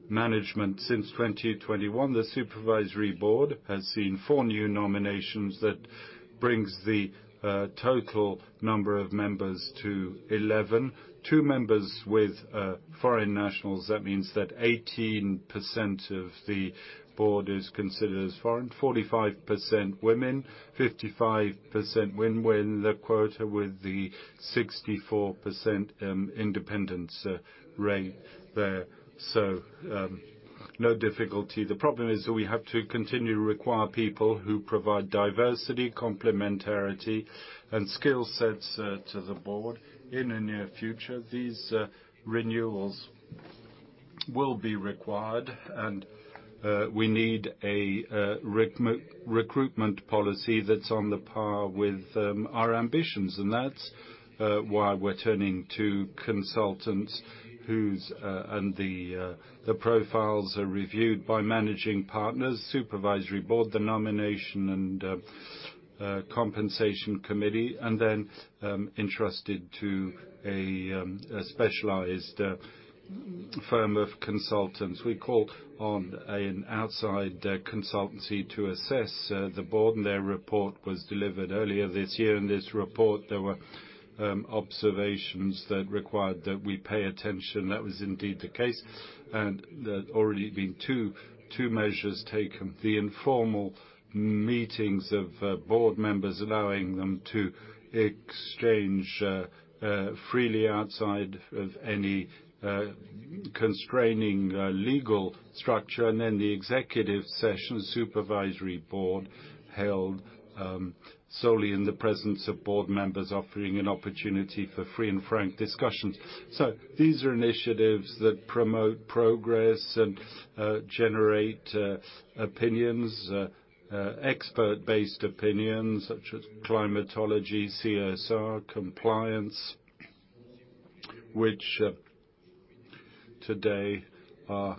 management. Since 2021, the supervisory board has seen 4 new nominations that brings the total number of members to 11. Two members with foreign nationals. That means that 18% of the board is considered as foreign, 45% women, 55% women win the quota with the 64% independence rate there. No difficulty. The problem is that we have to continue to require people who provide diversity, complementarity, and skill sets to the board. In the near future, these renewals will be required, and we need a recruitment policy that's on the par with our ambitions. That's why we're turning to consultants whose... The profiles are reviewed by Managing Partners, Supervisory Board, the Nomination and Compensation Committee, and then entrusted to a specialized firm of consultants. We called on an outside consultancy to assess the board, and their report was delivered earlier this year. In this report, there were observations that required that we pay attention. That was indeed the case. There have already been 2 measures taken. The informal meetings of board members, allowing them to exchange freely outside of any constraining legal structure. The executive session, Supervisory Board held solely in the presence of board members offering an opportunity for free and frank discussions. These are initiatives that promote progress and generate opinions, expert-based opinions, such as climatology, CSR, compliance, which today are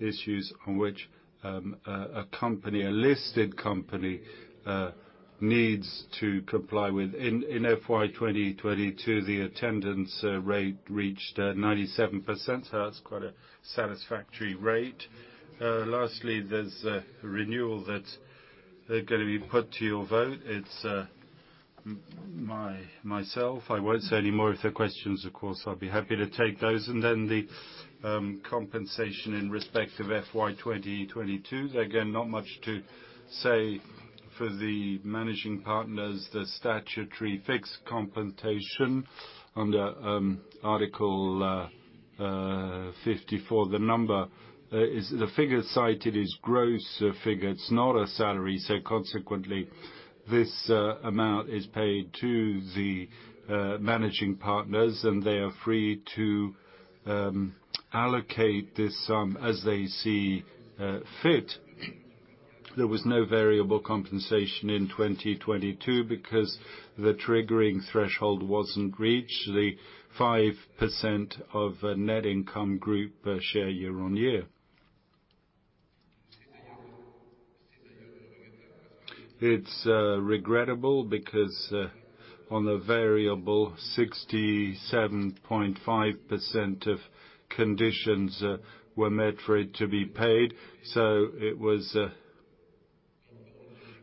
issues on which a company, a listed company, needs to comply with. In FY 2022, the attendance rate reached 97%. That's quite a satisfactory rate. Lastly, there's a renewal that gonna be put to your vote. It's myself. I won't say any more. If there are questions, of course, I'll be happy to take those. The compensation in respect of FY 2022. Again, not much to say for the managing partners, the statutory fixed compensation under Article 54. The figure cited is gross figure. It's not a salary. Consequently, this amount is paid to the managing partners. They are free to allocate this sum as they see fit. There was no variable compensation in 2022 because the triggering threshold wasn't reached, the 5% of net income group per share year-on-year. It's regrettable because on a variable, 67.5% of conditions were met for it to be paid, so it was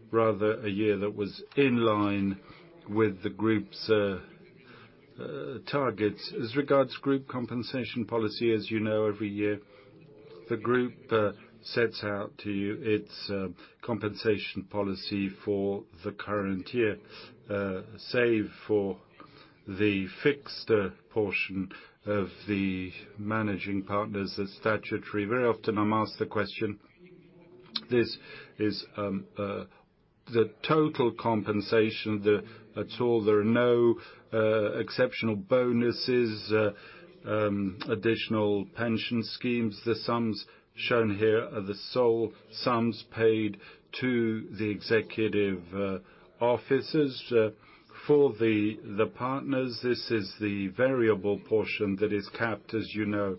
rather a year that was in line with the group's targets. As regards group compensation policy, as you know, every year, the group sets out to you its compensation policy for the current year, save for the fixed portion of the managing partners, that's statutory. Very often, I'm asked the question, this is the total compensation, that's all. There are no exceptional bonuses, additional pension schemes. The sums shown here are the sole sums paid to the executive officers. For the partners, this is the variable portion that is capped, as you know,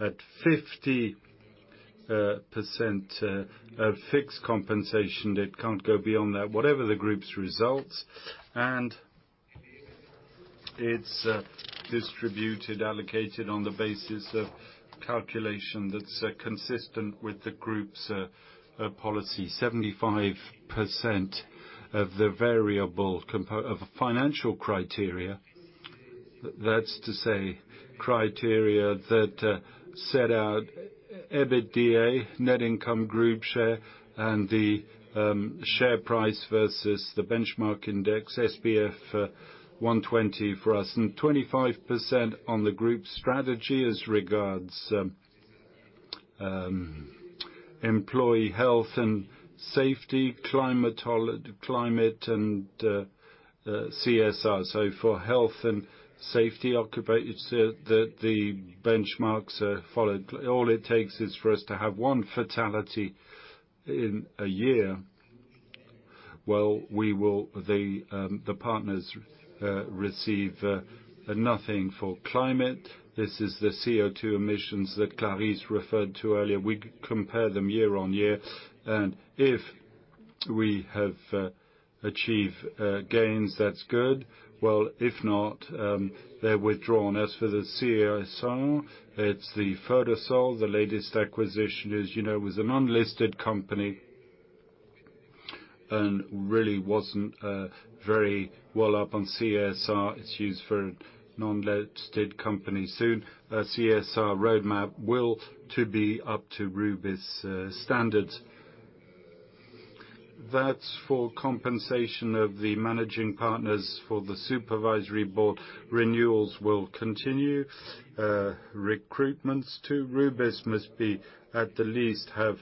at 50% of fixed compensation. It can't go beyond that, whatever the group's results, and it's distributed, allocated on the basis of calculation that's consistent with the group's policy. 75% of the variable of financial criteria, that's to say, criteria that set out EBITDA, net income group share, and the share price versus the benchmark index, SBF 120 for us, and 25% on the group's strategy as regards employee health and safety, climate, and CSR. For health and safety, occupy, it's the benchmarks are followed. All it takes is for us to have one fatality in a year, well, the partners receive nothing for climate. This is the CO2 emissions that Clarisse referred to earlier. We compare them year-on-year, if we have achieved gains, that's good. If not, they're withdrawn. As for the CSR, it's thePhotosol, the latest acquisition, as you know, it was an unlisted company and really wasn't very well up on CSR issues for non-listed companies. Soon, a CSR roadmap will to be up to Rubis standards. That's for compensation of the managing partners. For the Supervisory Board, renewals will continue. Recruitments to Rubis must be, at the least, have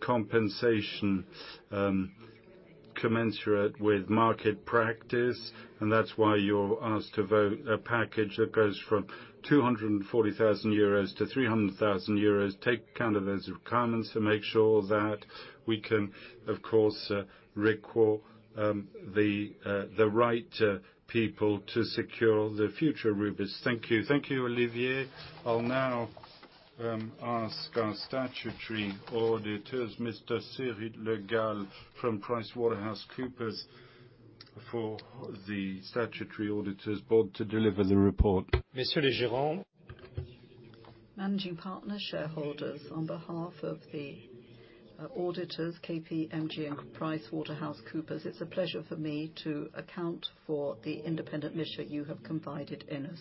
compensation commensurate with market practice, and that's why you're asked to vote a package that goes from 240,000 euros to 300,000 euros. Take count of those requirements to make sure that we can, of course, recruit the right people to secure the future Rubis. Thank you. Thank you, Olivier. I'll now ask our statutory auditors, Mr. Cédric Le Gall from PricewaterhouseCoopers, for the statutory auditors board to deliver the report. Managing partner, shareholders, on behalf of our auditors, KPMG and PricewaterhouseCoopers, it's a pleasure for me to account for the independent mission you have confided in us.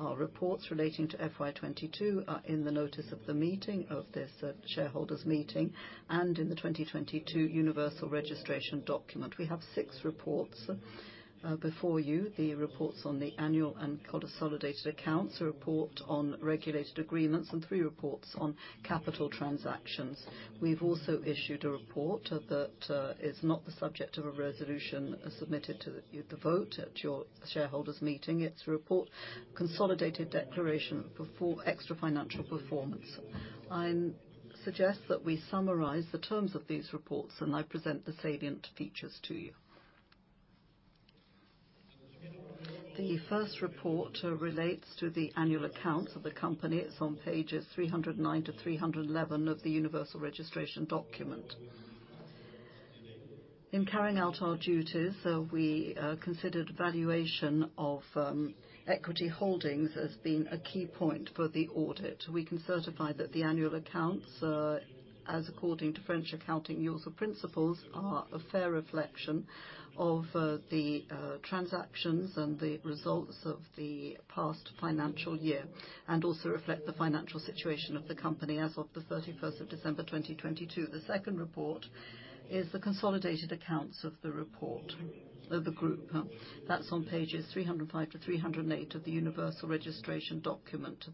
Our reports relating to FY 2022 are in the notice of the meeting, of this shareholders meeting, and in the 2022 universal registration document. We have six reports before you. The reports on the annual and consolidated accounts, a report on regulated agreements, and three reports on capital transactions. We've also issued a report that is not the subject of a resolution, submitted to you to vote at your shareholders meeting. It's a report, consolidated declaration for extra financial performance. I suggest that we summarize the terms of these reports. I present the salient features to you. The first report relates to the annual accounts of the company. It's on pages 309 to 311 of the universal registration document. In carrying out our duties, we considered valuation of equity holdings as being a key point for the audit. We can certify that the annual accounts, as according to French accounting rules or principles, are a fair reflection of the transactions and the results of the past financial year, and also reflect the financial situation of the company as of the 31st of December, 2022. The second report is the consolidated accounts of the report of the group. That's on pages 305 to 308 of the universal registration document.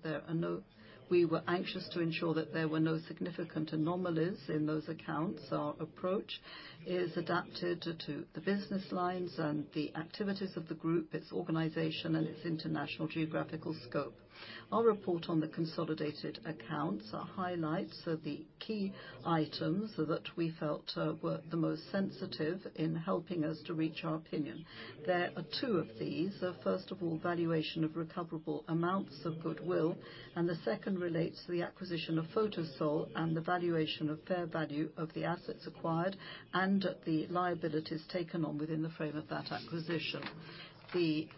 We were anxious to ensure that there were no significant anomalies in those accounts. Our approach is adapted to the business lines and the activities of the group, its organization, and its international geographical scope. Our report on the consolidated accounts highlights the key items that we felt were the most sensitive in helping us to reach our opinion. There are two of these. First of all, valuation of recoverable amounts of goodwill, and the second relates to the acquisition of Photosol and the valuation of fair value of the assets acquired, and the liabilities taken on within the frame of that acquisition. The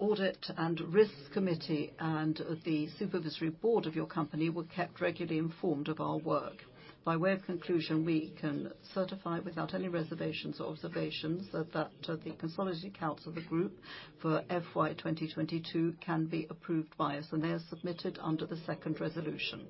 audit and risk committee and the supervisory board of your company were kept regularly informed of our work. By way of conclusion, we can certify, without any reservations or observations, that the consolidated accounts of the group for FY 2022 can be approved by us, and they are submitted under the second resolution.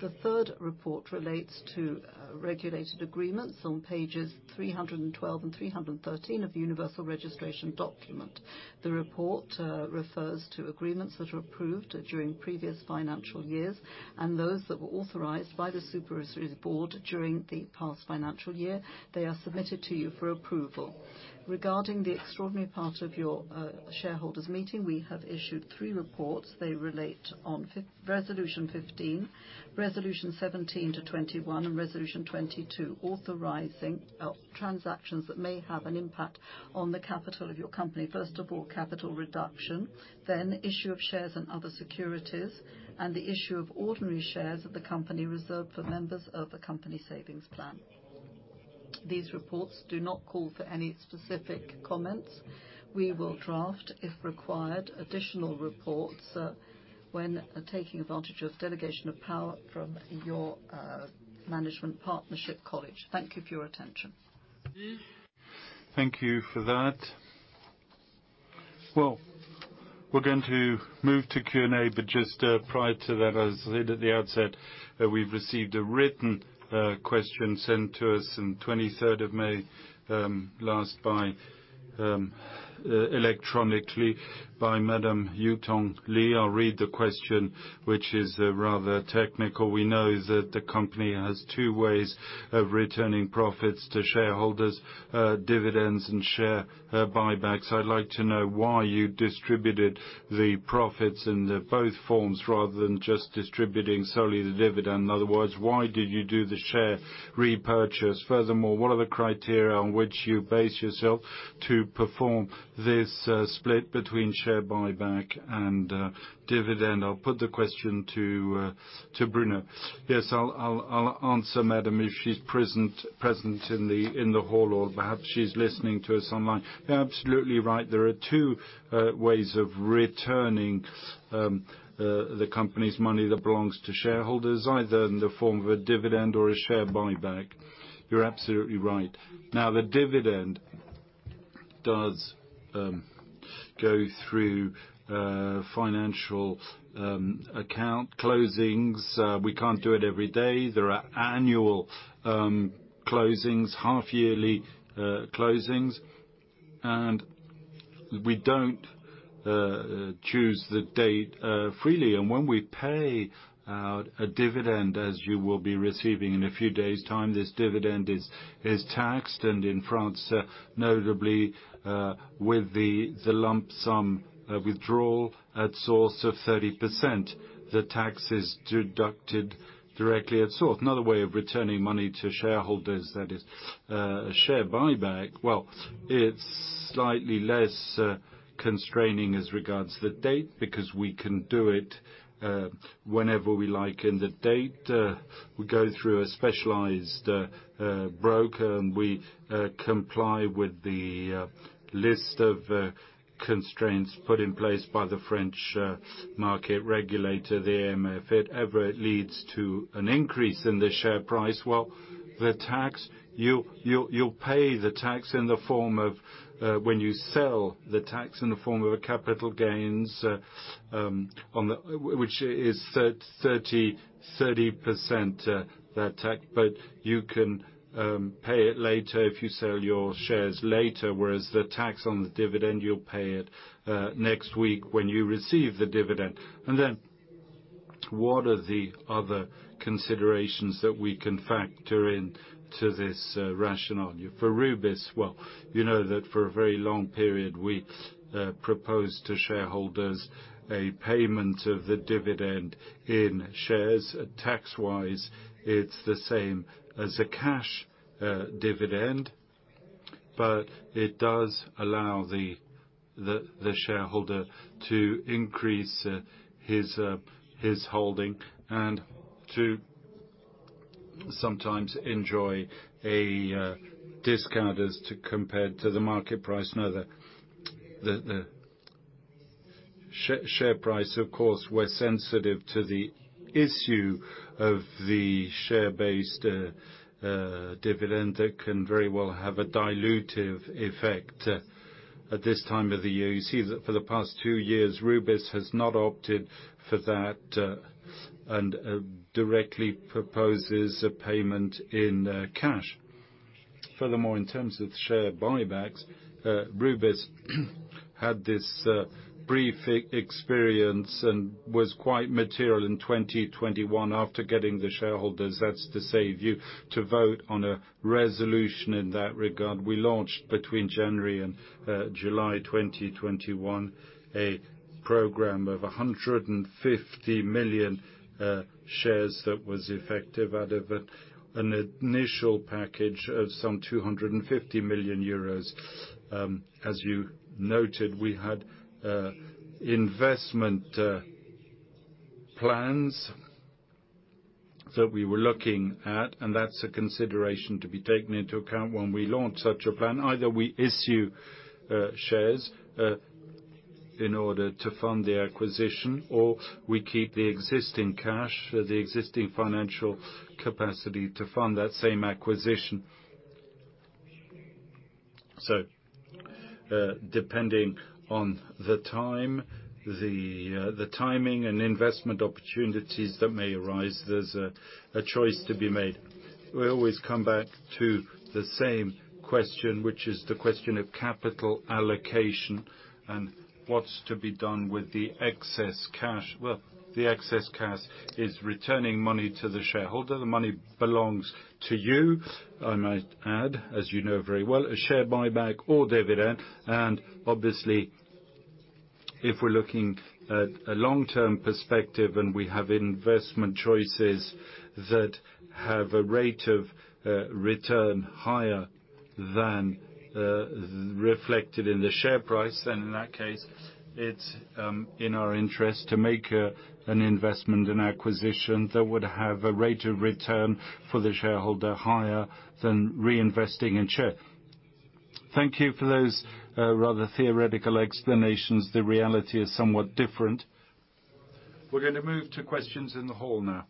The third report relates to regulated agreements on pages 312 and 313 of the universal registration document. The report refers to agreements that were approved during previous financial years and those that were authorized by the Supervisory Board during the past financial year. They are submitted to you for approval. Regarding the extraordinary part of your shareholders' meeting, we have issued three reports. They relate on resolution 15, resolution 17-21, and resolution 22, authorizing transactions that may have an impact on the capital of your company. First of all, capital reduction, then issue of shares and other securities, and the issue of ordinary shares of the company reserved for members of the company savings plan. These reports do not call for any specific comments. We will draft, if required, additional reports, when taking advantage of delegation of power from your management partnership college. Thank you for your attention. Thank you for that. We're going to move to Q&A, just prior to that, as I said at the outset, we've received a written question sent to us in 23rd of May last electronically by Madame Yutong Lee. I'll read the question, which is rather technical. We know that the company has 2 ways of returning profits to shareholders, dividends and share buybacks. I'd like to know why you distributed the profits in the both forms, rather than just distributing solely the dividend. In other words, why did you do the share repurchase? Furthermore, what are the criteria on which you base yourself to perform this split between share buyback and dividend? I'll put the question to Bruno. Yes, I'll answer, madam, if she's present in the hall, or perhaps she's listening to us online. You're absolutely right. There are 2 ways of returning the company's money that belongs to shareholders, either in the form of a dividend or a share buyback. You're absolutely right. The dividend does go through financial account closings. We can't do it every day. There are annual closings, half-yearly closings, we don't choose the date freely. When we pay out a dividend, as you will be receiving in a few days' time, this dividend is taxed, and in France, notably, with the lump sum withdrawal at source of 30%, the tax is deducted directly at source. Another way of returning money to shareholders that is a share buyback. Slightly less constraining as regards the date, because we can do it whenever we like in the date. We go through a specialized broker, and we comply with the list of constraints put in place by the French market regulator there. If it ever leads to an increase in the share price, well, the tax, you'll pay the tax in the form of, when you sell the tax in the form of a capital gains, which is 30%, that tax. You can pay it later if you sell your shares later, whereas the tax on the dividend, you'll pay it next week when you receive the dividend. What are the other considerations that we can factor in to this rationale? For Rubis, well, you know that for a very long period, we proposed to shareholders a payment of the dividend in shares. Tax-wise, it's the same as a cash dividend, but it does allow the shareholder to increase his holding and to sometimes enjoy a discount as to compared to the market price. Now, the share price, of course, we're sensitive to the issue of the share-based dividend. That can very well have a dilutive effect at this time of the year. You see that for the past 2 years, Rubis has not opted for that, and directly proposes a payment in cash. Furthermore, in terms of share buybacks, Rubis had this brief experience and was quite material in 2021 after getting the shareholders, that's to say, you, to vote on a resolution in that regard. We launched between January and July 2021, a program of 150 million shares that was effective out of an initial package of some 250 million euros. As you noted, we had investment plans that we were looking at, and that's a consideration to be taken into account when we launch such a plan. Either we issue shares in order to fund the acquisition, or we keep the existing cash, the existing financial capacity to fund that same acquisition. Depending on the time, the timing and investment opportunities that may arise, there's a choice to be made. We always come back to the same question, which is the question of capital allocation and what's to be done with the excess cash. The excess cash is returning money to the shareholder. The money belongs to you, I might add, as you know very well, a share buyback or dividend. Obviously, if we're looking at a long-term perspective, and we have investment choices that have a rate of return higher than reflected in the share price, then in that case, it's in our interest to make an investment, an acquisition that would have a rate of return for the shareholder higher than reinvesting in share. Thank you for those rather theoretical explanations. The reality is somewhat different. We're gonna move to questions in the hall now.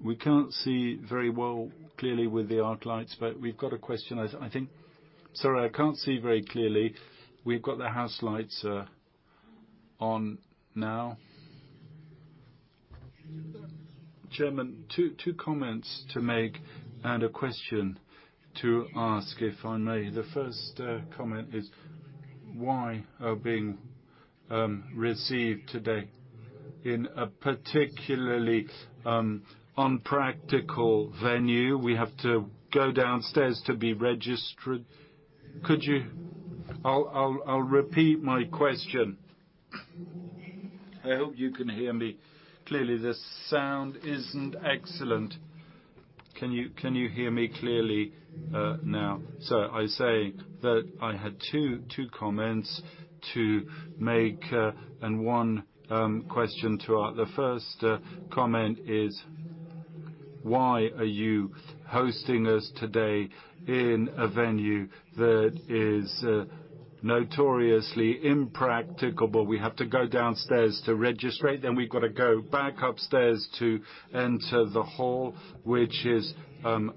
We can't see very well clearly with the arc lights, but we've got a question, I think. Sorry, I can't see very clearly. We've got the house lights on now. Chairman, two comments to make and a question to ask, if I may. The first comment is, why are we received today in a particularly unpractical venue? We have to go downstairs to be registered. I'll repeat my question. I hope you can hear me clearly. The sound isn't excellent. Can you hear me clearly now? I say that I had two comments to make and one question to ask. The first comment is, why are you hosting us today in a venue that is notoriously impractical? We have to go downstairs to register, then we've got to go back upstairs to enter the hall, which is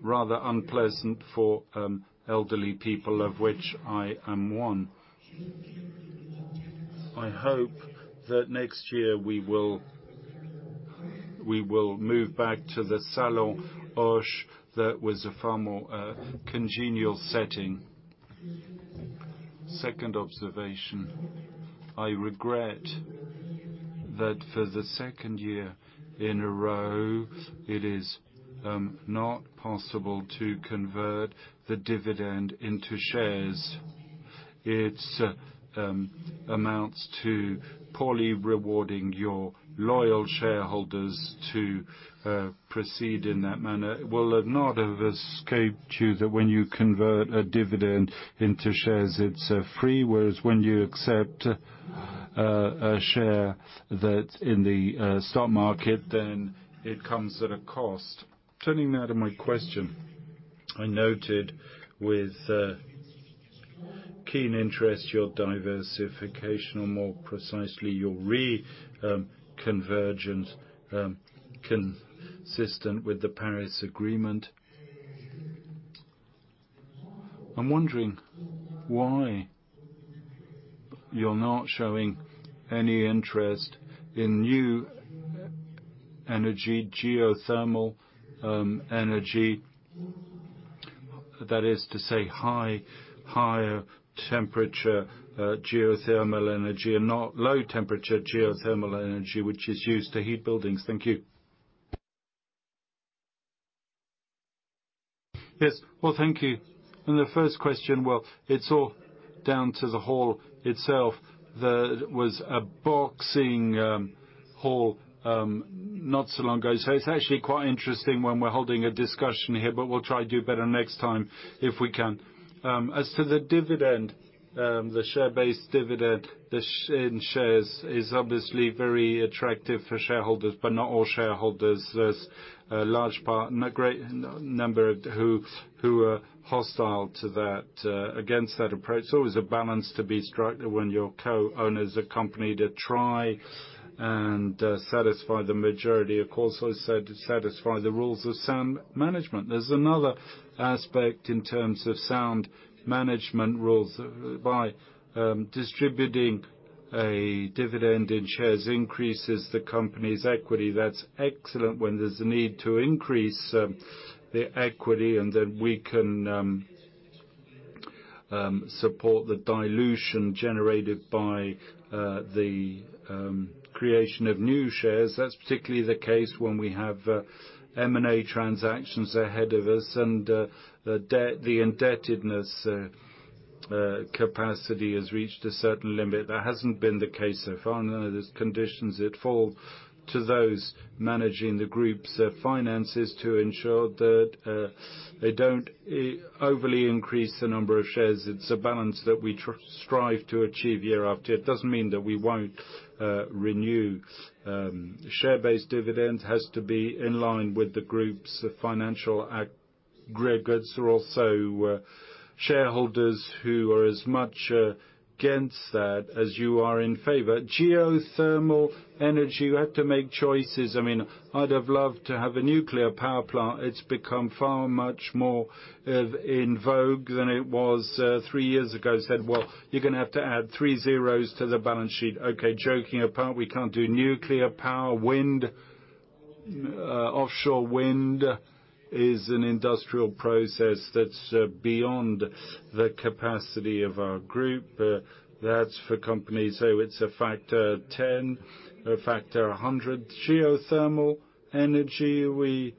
rather unpleasant for elderly people, of which I am one. I hope that next year, we will move back to the Salon Hoche. That was a far more congenial setting. Second observation: I regret that for the second year in a row, it is not possible to convert the dividend into shares. It amounts to poorly rewarding your loyal shareholders to proceed in that manner. Well, it not have escaped you that when you convert a dividend into shares, it's free, whereas when you accept a share that's in the stock market, then it comes at a cost. Turning now to my question, I noted with keen interest your diversification, or more precisely, your convergence, consistent with the Paris Agreement. I'm wondering why you're not showing any interest in new energy, geothermal energy, that is to say, higher temperature geothermal energy, and not low temperature geothermal energy, which is used to heat buildings. Thank you. Yes. Well, thank you. On the first question, well, it's all down to the hall itself. There was a boxing hall not so long ago. It's actually quite interesting when we're holding a discussion here, but we'll try to do better next time, if we can. As to the dividend, the share-based dividend, in shares is obviously very attractive for shareholders, but not all shareholders. There's a large part and a great number who are hostile to that, against that approach. There's a balance to be struck when you're co-owners of company to try and satisfy the majority, of course, so to satisfy the rules of sound management. There's another aspect in terms of sound management rules. By distributing a dividend in shares increases the company's equity, that's excellent when there's a need to increase the equity, and then we can support the dilution generated by the creation of new shares. That's particularly the case when we have M&A transactions ahead of us, and the debt, the indebtedness capacity has reached a certain limit. That hasn't been the case so far. There's conditions that fall to those managing the group's finances to ensure that they don't overly increase the number of shares. It's a balance that we strive to achieve year after year. It doesn't mean that we won't renew. Share-based dividend has to be in line with the group's financial aggregates. There are also shareholders who are as much against that as you are in favor. Geothermal energy, you have to make choices. I mean, I'd have loved to have a nuclear power plant. It's become far much more in vogue than it was three years ago. Said, "Well, you're gonna have to add three zeros to the balance sheet." Okay, joking apart, we can't do nuclear power. Wind, offshore wind is an industrial process that's beyond the capacity of our group. That's for companies, so it's a factor 10, a factor 100. Geothermal energy, we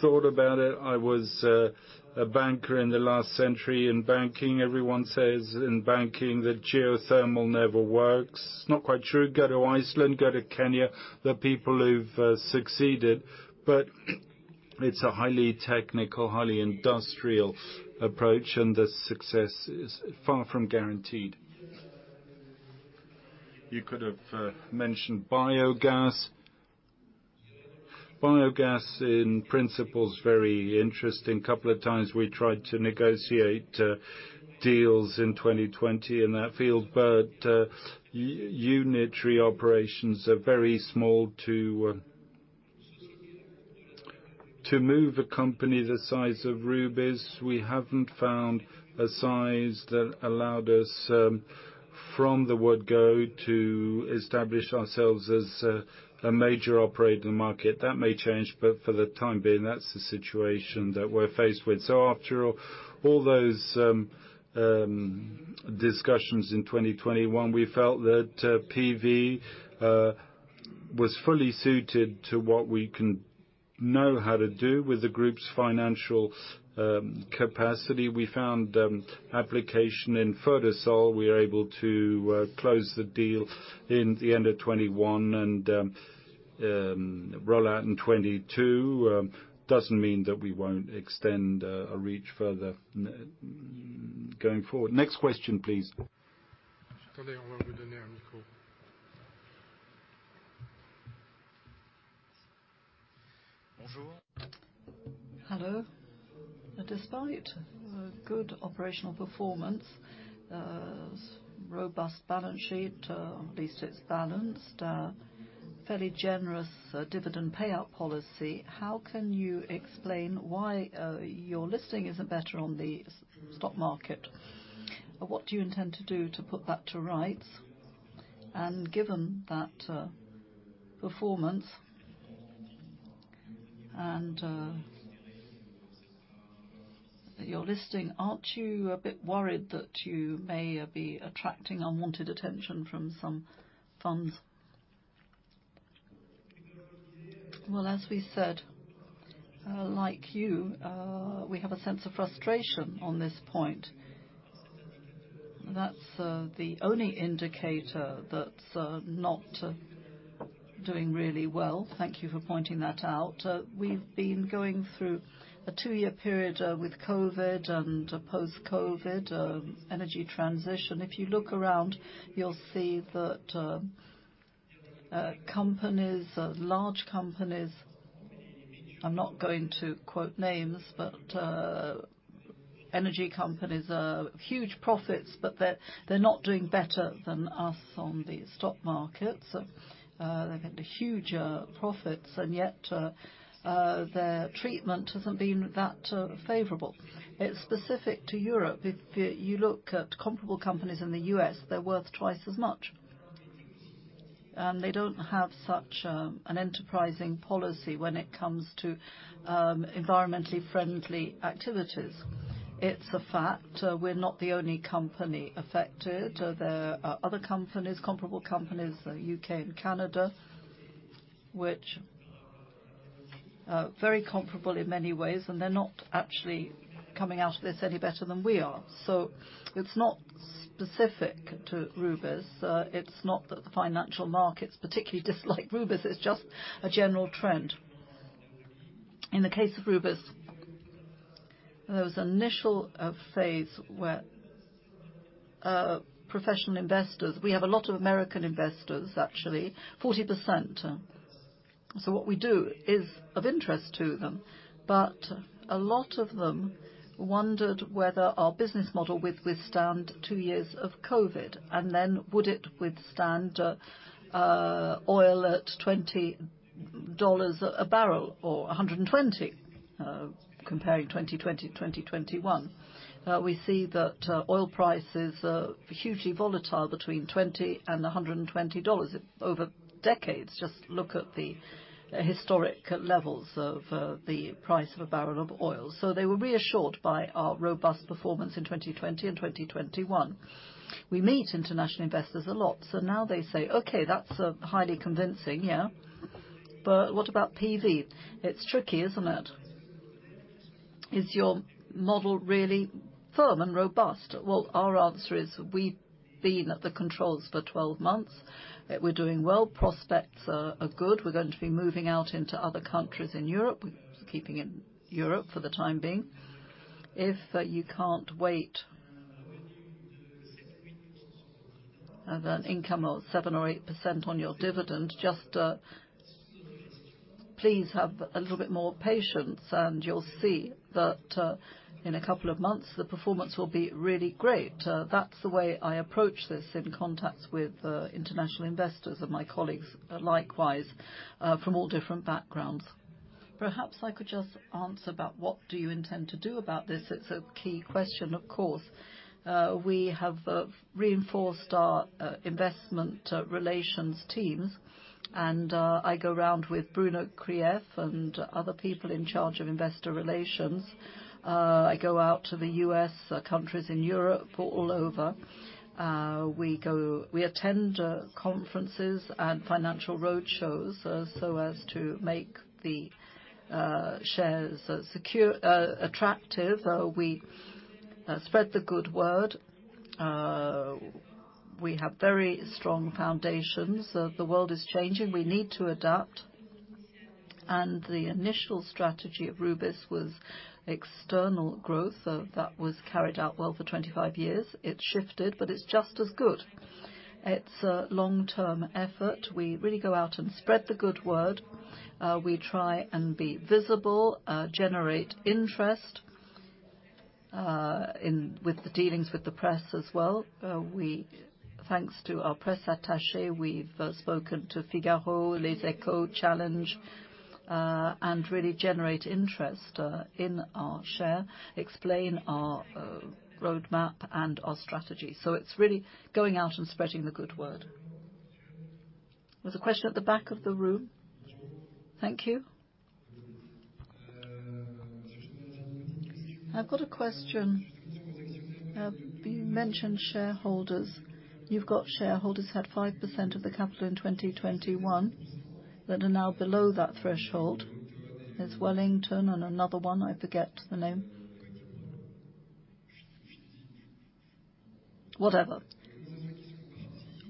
thought about it. I was a banker in the last century in banking. Everyone says in banking that geothermal never works. Not quite true. Go to Iceland, go to Kenya. There are people who've succeeded, but it's a highly technical, highly industrial approach, and the success is far from guaranteed. You could have mentioned biogas. Biogas, in principle, is very interesting. Couple of times, we tried to negotiate deals in 2020 in that field, unitary operations are very small to move a company the size of Rubis. We haven't found a size that allowed us from the word go to establish ourselves as a major operator in the market. That may change, but for the time being, that's the situation that we're faced with. After all those discussions in 2021, we felt that PV was fully suited to what we can know how to do with the group's financial capacity. We found application in Photosol. We were able to close the deal in the end of 2021 and roll out in 2022. Doesn't mean that we won't extend a reach further going forward. Next question, please. Hello. Despite a good operational performance, robust balance sheet, at least it's balanced, a fairly generous dividend payout policy, how can you explain why your listing isn't better on the stock market? What do you intend to do to put that to right? Given that performance and your listing, aren't you a bit worried that you may be attracting unwanted attention from some funds? Well, as we said, like you, we have a sense of frustration on this point. That's the only indicator that's not doing really well. Thank you for pointing that out. We've been going through a 2-year period with COVID and post-COVID, energy transition. You look around, you'll see that companies, large companies, I'm not going to quote names, but energy companies, huge profits, but they're not doing better than us on the stock markets. They've had huge profits, yet their treatment hasn't been that favorable. It's specific to Europe. You look at comparable companies in the U.S., they're worth twice as much, and they don't have such an enterprising policy when it comes to environmentally friendly activities. It's a fact. We're not the only company affected. There are other companies, comparable companies, U.K. and Canada, which very comparable in many ways, and they're not actually coming out of this any better than we are. It's not specific to Rubis. It's not that the financial markets particularly dislike Rubis, it's just a general trend. In the case of Rubis, there was an initial phase where professional investors... We have a lot of American investors, actually, 40%. What we do is of interest to them, but a lot of them wondered whether our business model would withstand 2 years of COVID, and then would it withstand oil at $20 a barrel or $120? Comparing 2020 to 2021. We see that oil prices are hugely volatile between 20 and $120 over decades. Just look at the historic levels of the price of a barrel of oil. They were reassured by our robust performance in 2020 and 2021. We meet international investors a lot. Now they say, "Okay, that's highly convincing, but what about PV? It's tricky, isn't it? Is your model really firm and robust?" Our answer is we've been at the controls for 12 months, that we're doing well, prospects are good. We're going to be moving out into other countries in Europe. We're keeping in Europe for the time being. If you can't wait, the income of 7% or 8% on your dividend, just please have a little bit more patience, you'll see that in a couple of months, the performance will be really great. That's the way I approach this in contacts with international investors and my colleagues, likewise, from all different backgrounds. Perhaps I could just answer about what do you intend to do about this? It's a key question, of course. We have reinforced our investment relations teams. I go around with Bruno Krief and other people in charge of investor relations. I go out to the U.S., countries in Europe, all over. We attend conferences and financial roadshows so as to make the shares secure, attractive. We spread the good word. We have very strong foundations. The world is changing. We need to adapt. The initial strategy of Rubis was external growth. That was carried out well for 25 years. It shifted, but it's just as good. It's a long-term effort. We really go out and spread the good word. We try and be visible, generate interest in with the dealings with the press as well. Thanks to our press attache, we've spoken to Figaro, Les Echos, Challenges, and really generate interest in our share, explain our roadmap and our strategy. It's really going out and spreading the good word. There was a question at the back of the room. Thank you. I've got a question. You mentioned shareholders. You've got shareholders who had 5% of the capital in 2021 that are now below that threshold. There's Wellington and another one, I forget the name. Whatever.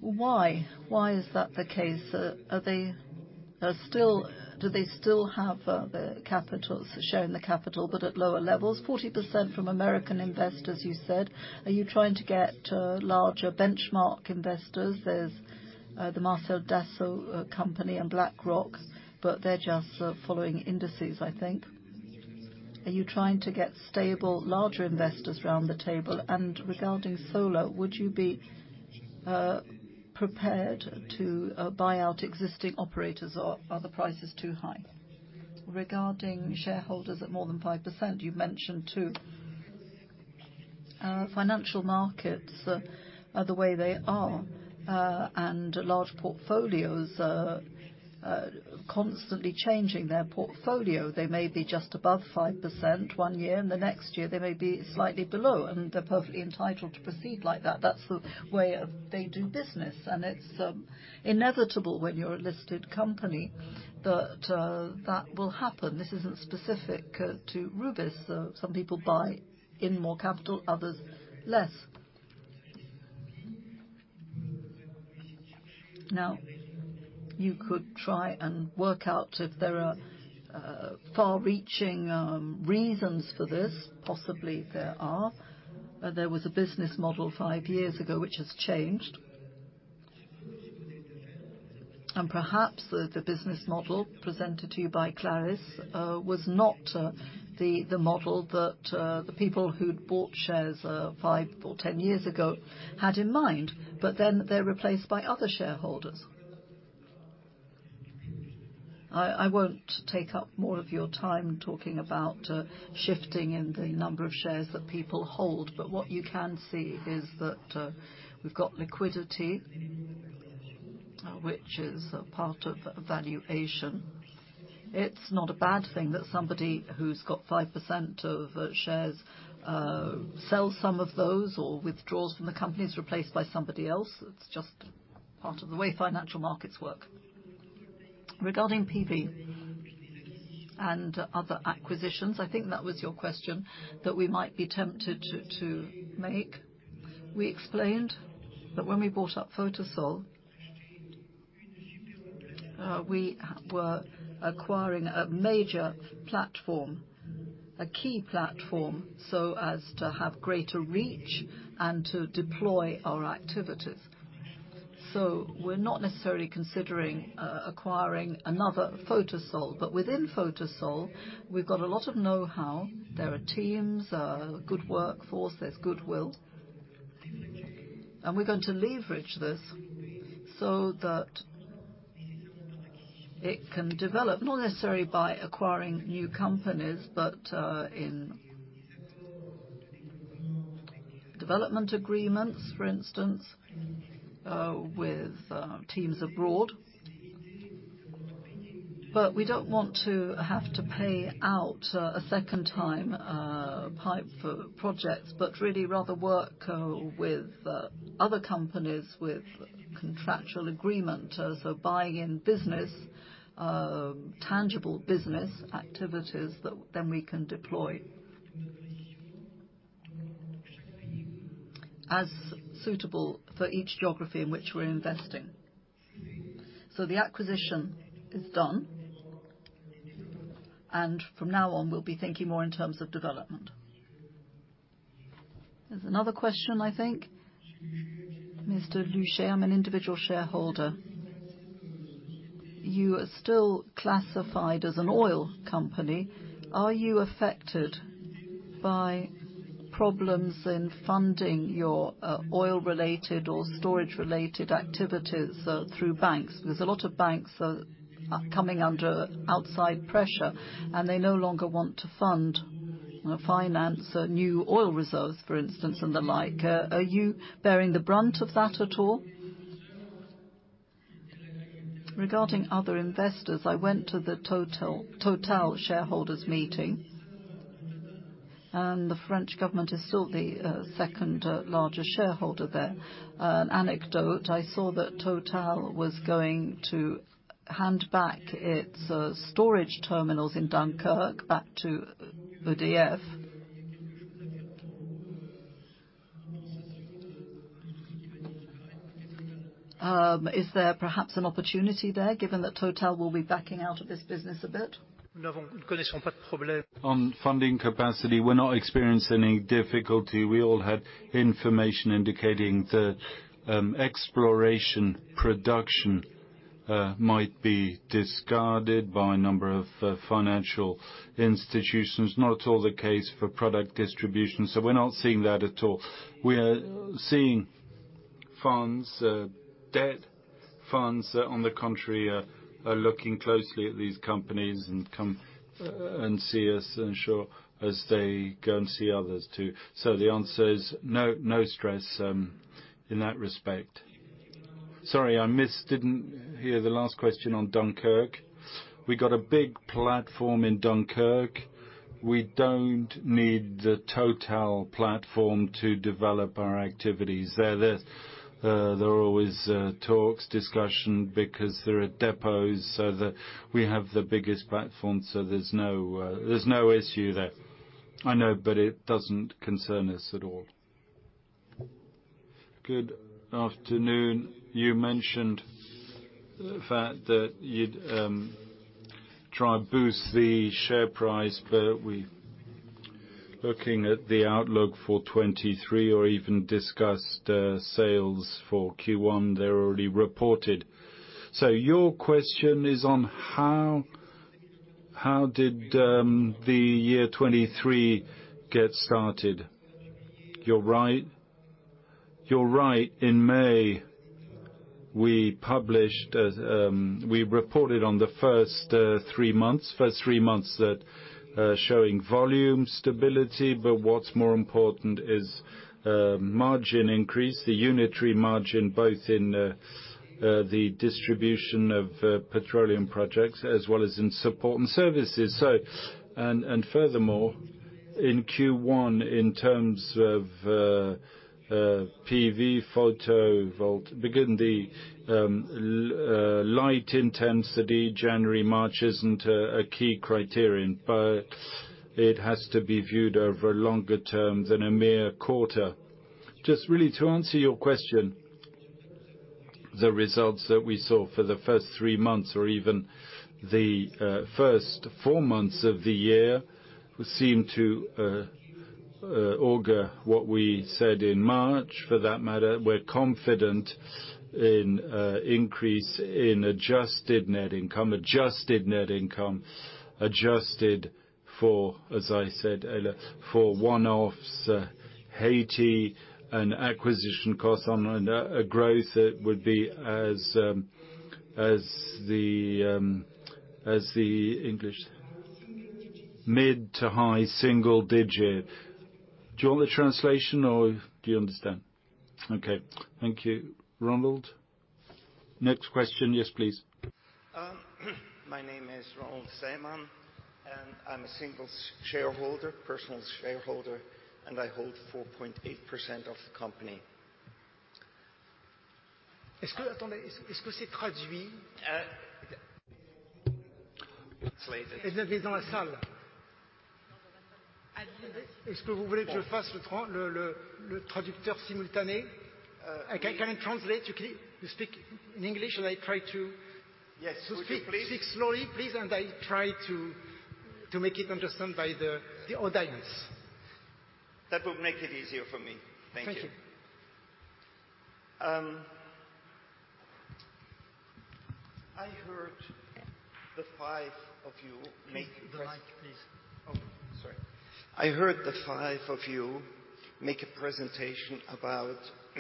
Why? Why is that the case? Are they still Do they still have the capitals, share in the capital, but at lower levels? 40% from American investors you said. Are you trying to get larger benchmark investors? There's the Marcel Dassault company and BlackRock, but they're just following indices, I think. Are you trying to get stable, larger investors around the table? Regarding solar, would you be prepared to buy out existing operators, or are the prices too high? Regarding shareholders at more than 5%, you've mentioned two. Financial markets are the way they are, and large portfolios are constantly changing their portfolio. They may be just above 5% one year, and the next year they may be slightly below, and they're perfectly entitled to proceed like that. That's the way of they do business, and it's inevitable when you're a listed company, that that will happen. This isn't specific to Rubis. Some people buy in more capital, others less. You could try and work out if there are far-reaching reasons for this. Possibly there are. There was a business model five years ago, which has changed. Perhaps the business model presented to you by Clarisse was not the model that the people who'd bought shares five or 10 years ago had in mind, but then they're replaced by other shareholders. I won't take up more of your time talking about shifting in the number of shares that people hold, but what you can see is that we've got liquidity, which is a part of valuation. It's not a bad thing that somebody who's got 5% of shares sells some of those, or withdrawals from the company is replaced by somebody else. It's just part of the way financial markets work. Regarding PV and other acquisitions, I think that was your question, that we might be tempted to make. We explained that when we bought up Photosol, we were acquiring a major platform, a key platform, so as to have greater reach and to deploy our activities. We're not necessarily considering acquiring another Photosol, but within Photosol, we've got a lot of know-how. There are teams, good workforce, there's goodwill, and we're going to leverage this so that it can develop, not necessarily by acquiring new companies, but in development agreements, for instance, with teams abroad. We don't want to have to pay out a second time pipe for projects, but really rather work with other companies with contractual agreement. Buying in business, tangible business activities that then we can deploy as suitable for each geography in which we're investing. The acquisition is done, and from now on, we'll be thinking more in terms of development. There's another question, I think. Mr. Luchet, I'm an individual shareholder. You are still classified as an oil company. Are you affected by problems in funding your oil-related or storage-related activities through banks? There's a lot of banks are coming under outside pressure, and they no longer want to fund or finance new oil reserves, for instance, and the like. Are you bearing the brunt of that at all? Regarding other investors, I went to the Total shareholders meeting, and the French government is still the second largest shareholder there. An anecdote, I saw that Total was going to hand back its storage terminals in Dunkirk back to EDF. Is there perhaps an opportunity there, given that Total will be backing out of this business a bit? On funding capacity, we're not experiencing any difficulty. We all had information indicating that exploration production might be discarded by a number of financial institutions. Not at all the case for product distribution, so we're not seeing that at all. We are seeing funds, debt funds, on the contrary, are looking closely at these companies and come and see us, and sure, as they go and see others, too. The answer is no stress in that respect. Sorry, I didn't hear the last question on Dunkirk. We got a big platform in Dunkirk. We don't need the TotalEnergies platform to develop our activities there. There are always talks, discussion, because there are depots. We have the biggest platform, so there's no issue there. I know, but it doesn't concern us at all. Good afternoon. You mentioned the fact that you'd try to boost the share price, but we looking at the outlook for 2023 or even discussed sales for Q1, they're already reported. Your question is on how did the year 2023 get started? You're right. In May, we published, we reported on the first three months. First three months that showing volume stability, but what's more important is margin increase, the unitary margin, both in the distribution of petroleum projects as well as in support and services. Furthermore, in Q1, in terms of PV, photovoltaic, again, the light intensity, January, March, isn't a key criterion, but it has to be viewed over a longer term than a mere quarter. Really to answer your question, the results that we saw for the first three months or even the first four months of the year, seem to augur what we said in March. We're confident in increase in adjusted net income. Adjusted net income, adjusted for, as I said, for one-offs, Haiti and acquisition costs on a growth that would be as the... English? Mid to high single digit. Do you want the translation or do you understand? Okay, thank you. Ronald Sämann? Next question. Yes, please. My name is Ronald Sämann, and I'm a single shareholder, personal shareholder, and I hold 4.8% of the company. We didn't have that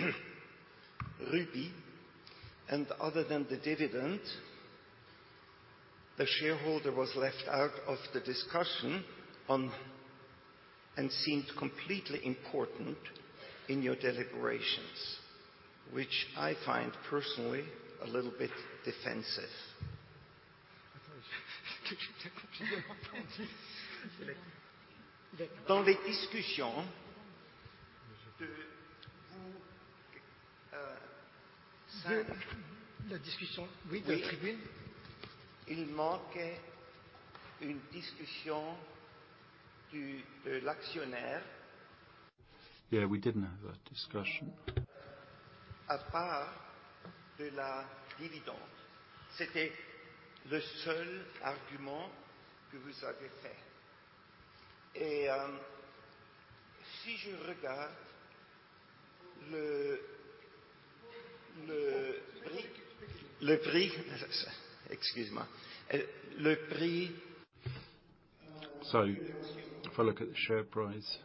discussion. If I look at the share price.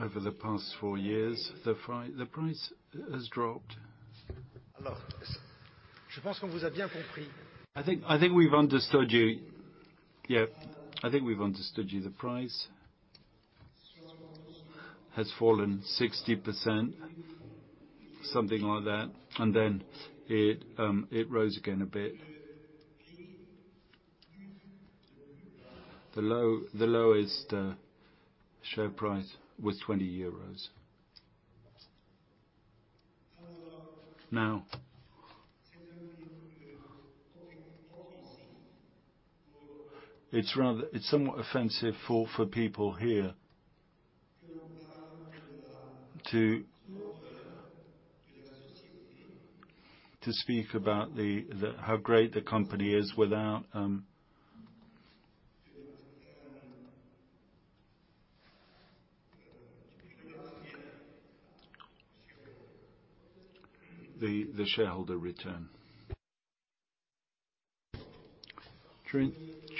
Over the past four years, the price has dropped. I think we've understood you. I think we've understood you. The price has fallen 60%, something like that, it rose again a bit. The lowest share price was 20 EUR. It's somewhat offensive for people here to speak about the. How great the company is without the shareholder return.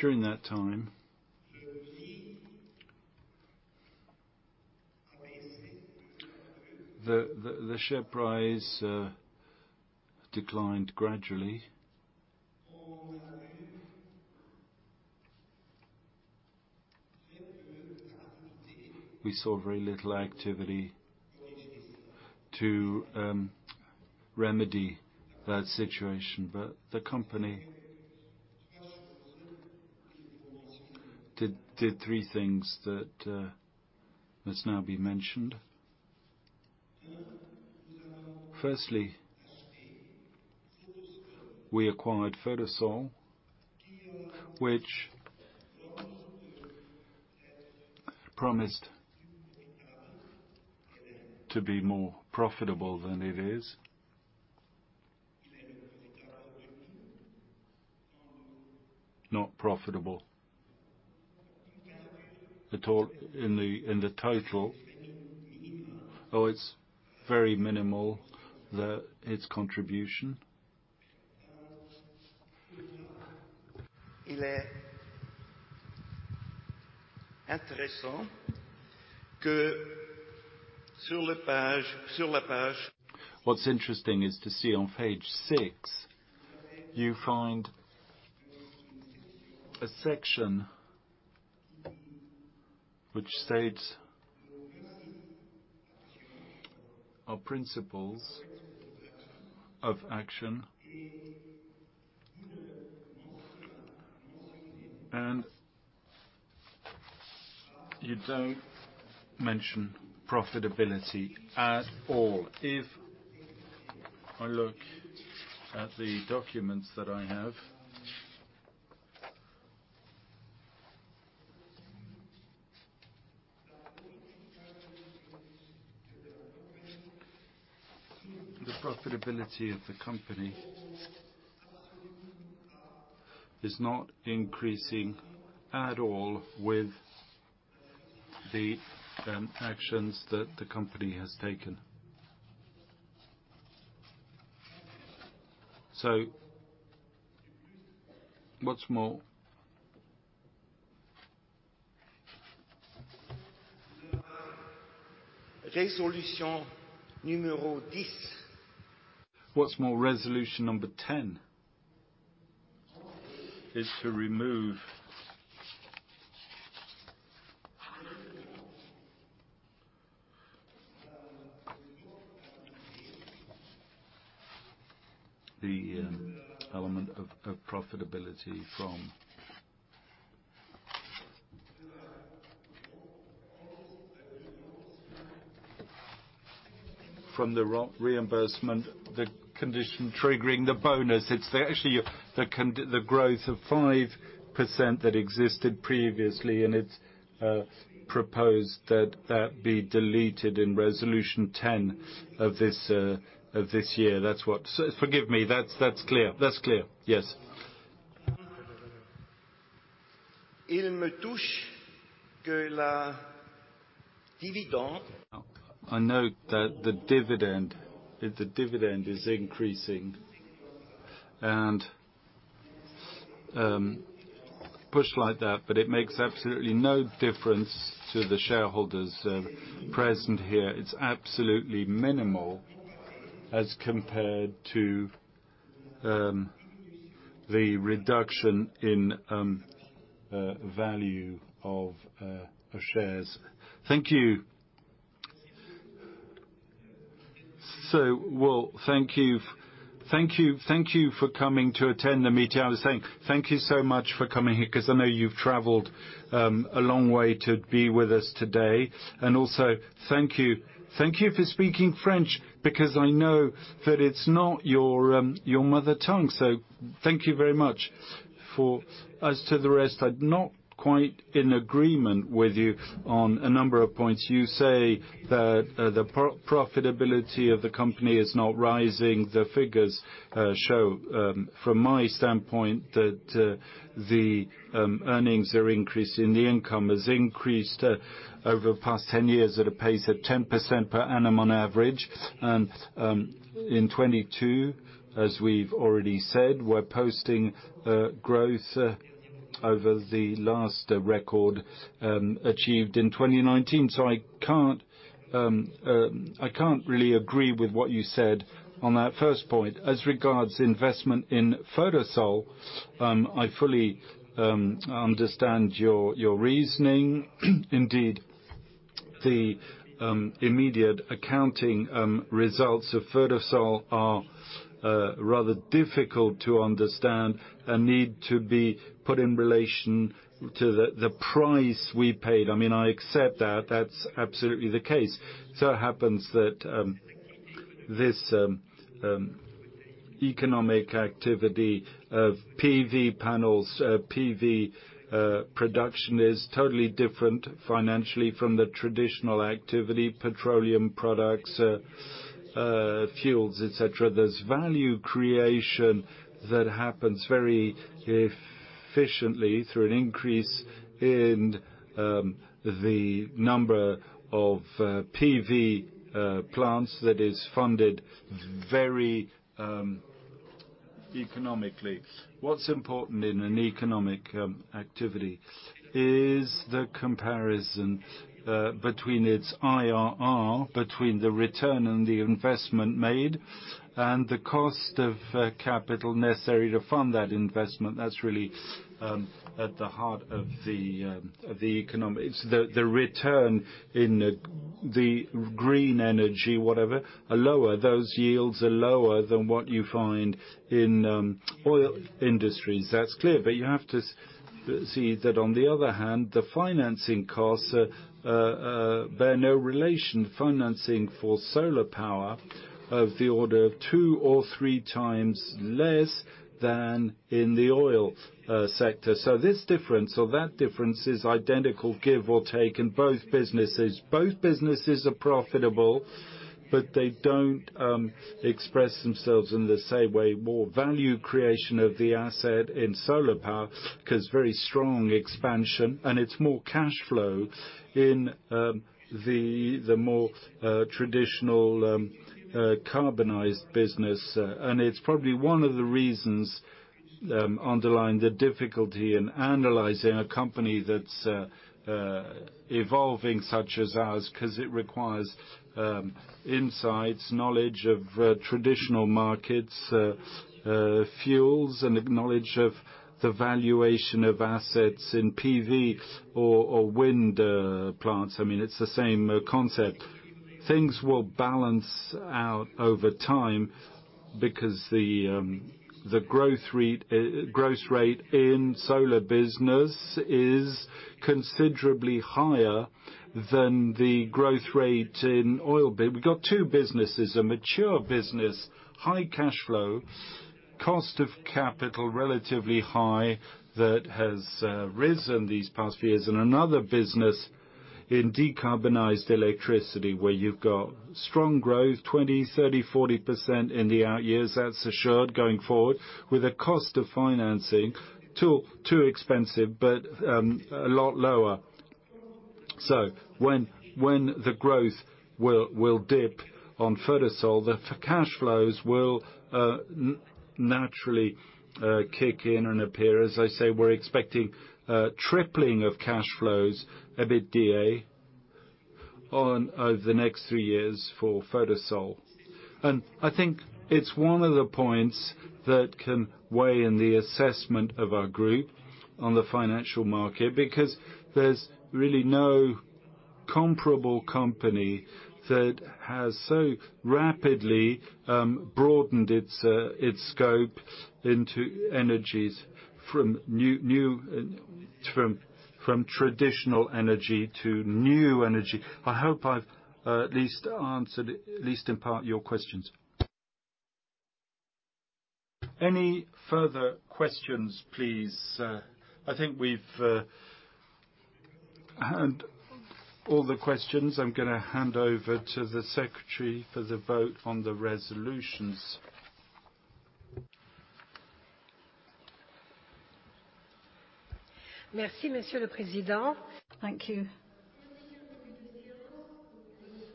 During that time, the share price declined gradually. We saw very little activity to remedy that situation, the company did 3 things that must now be mentioned. Firstly, we acquired Photosol, which promised to be more profitable than it is. Not profitable. at all in the, in the total, or it's very minimal, the, its contribution? What's interesting is to see on page six, you find a section which states our principles of action. You don't mention profitability at all. If I look at the documents that I have, the profitability of the company is not increasing at all with the actions that the company has taken. What's more, resolution number 10 is to remove the element of profitability from reimbursement, the condition triggering the bonus. It's actually, the growth of 5% that existed previously, and it's proposed that that be deleted in resolution 10 of this year. Forgive me, that's clear. That's clear, yes. I know that the dividend is increasing and pushed like that, but it makes absolutely no difference to the shareholders present here. It's absolutely minimal as compared to the reduction in value of shares. Thank you. Thank you for coming to attend the meeting. I was saying thank you so much for coming here because I know you've traveled a long way to be with us today. Thank you for speaking French, because I know that it's not your mother tongue, so thank you very much. For as to the rest, I'm not quite in agreement with you on a number of points. You say that the profitability of the company is not rising. The figures show, from my standpoint, that the earnings are increased and the income has increased over the past 10 years at a pace of 10% per annum on average. In 2022, as we've already said, we're posting growth over the last record achieved in 2019. I can't really agree with what you said on that first point. As regards investment in Photosol, I fully understand your reasoning. Indeed, the immediate accounting results of Photosol are rather difficult to understand and need to be put in relation to the price we paid. I mean, I accept that's absolutely the case. It happens that this economic activity of PV panels, PV production, is totally different financially from the traditional activity, petroleum products, fuels, et cetera. There's value creation that happens very efficiently through an increase in the number of PV plants that is funded very economically. What's important in an economic activity is the comparison between its IRR, between the return on the investment made, and the cost of capital necessary to fund that investment. That's really at the heart of the economy. It's the return in the green energy, whatever, are lower. Those yields are lower than what you find in oil industries. That's clear. You have to see that on the other hand, the financing costs bear no relation. Financing for solar power of the order of 2 or 3 times less than in the oil sector. This difference or that difference is identical, give or take, in both businesses. Both businesses are profitable. They don't express themselves in the same way. More value creation of the asset in solar power, 'cause very strong expansion, and it's more cash flow in the more traditional carbonized business. It's probably one of the reasons underlying the difficulty in analyzing a company that's evolving such as ours, 'cause it requires insights, knowledge of traditional markets, fuels, and acknowledge of the valuation of assets in PV or wind plants. I mean, it's the same concept. Things will balance out over time because the growth rate in solar business is considerably higher than the growth rate in oil biz. We've got two businesses, a mature business, high cash flow, cost of capital, relatively high, that has risen these past years. Another business in decarbonized electricity, where you've got strong growth, 20%, 30%, 40% in the out years. That's assured going forward, with a cost of financing too expensive, but a lot lower. When the growth will dip on Photosol, the cash flows will naturally kick in and appear. As I say, we're expecting a tripling of cash flows, EBITDA, over the next 3 years for Photosol. I think it's one of the points that can weigh in the assessment of our group on the financial market, because there's really no comparable company that has so rapidly broadened its scope into energies from traditional energy to new energy. I hope I've, at least answered, at least in part, your questions. Any further questions, please? I think we've. All the questions, I'm gonna hand over to the secretary for the vote on the resolutions. Merci, Monsieur le Président. Thank you.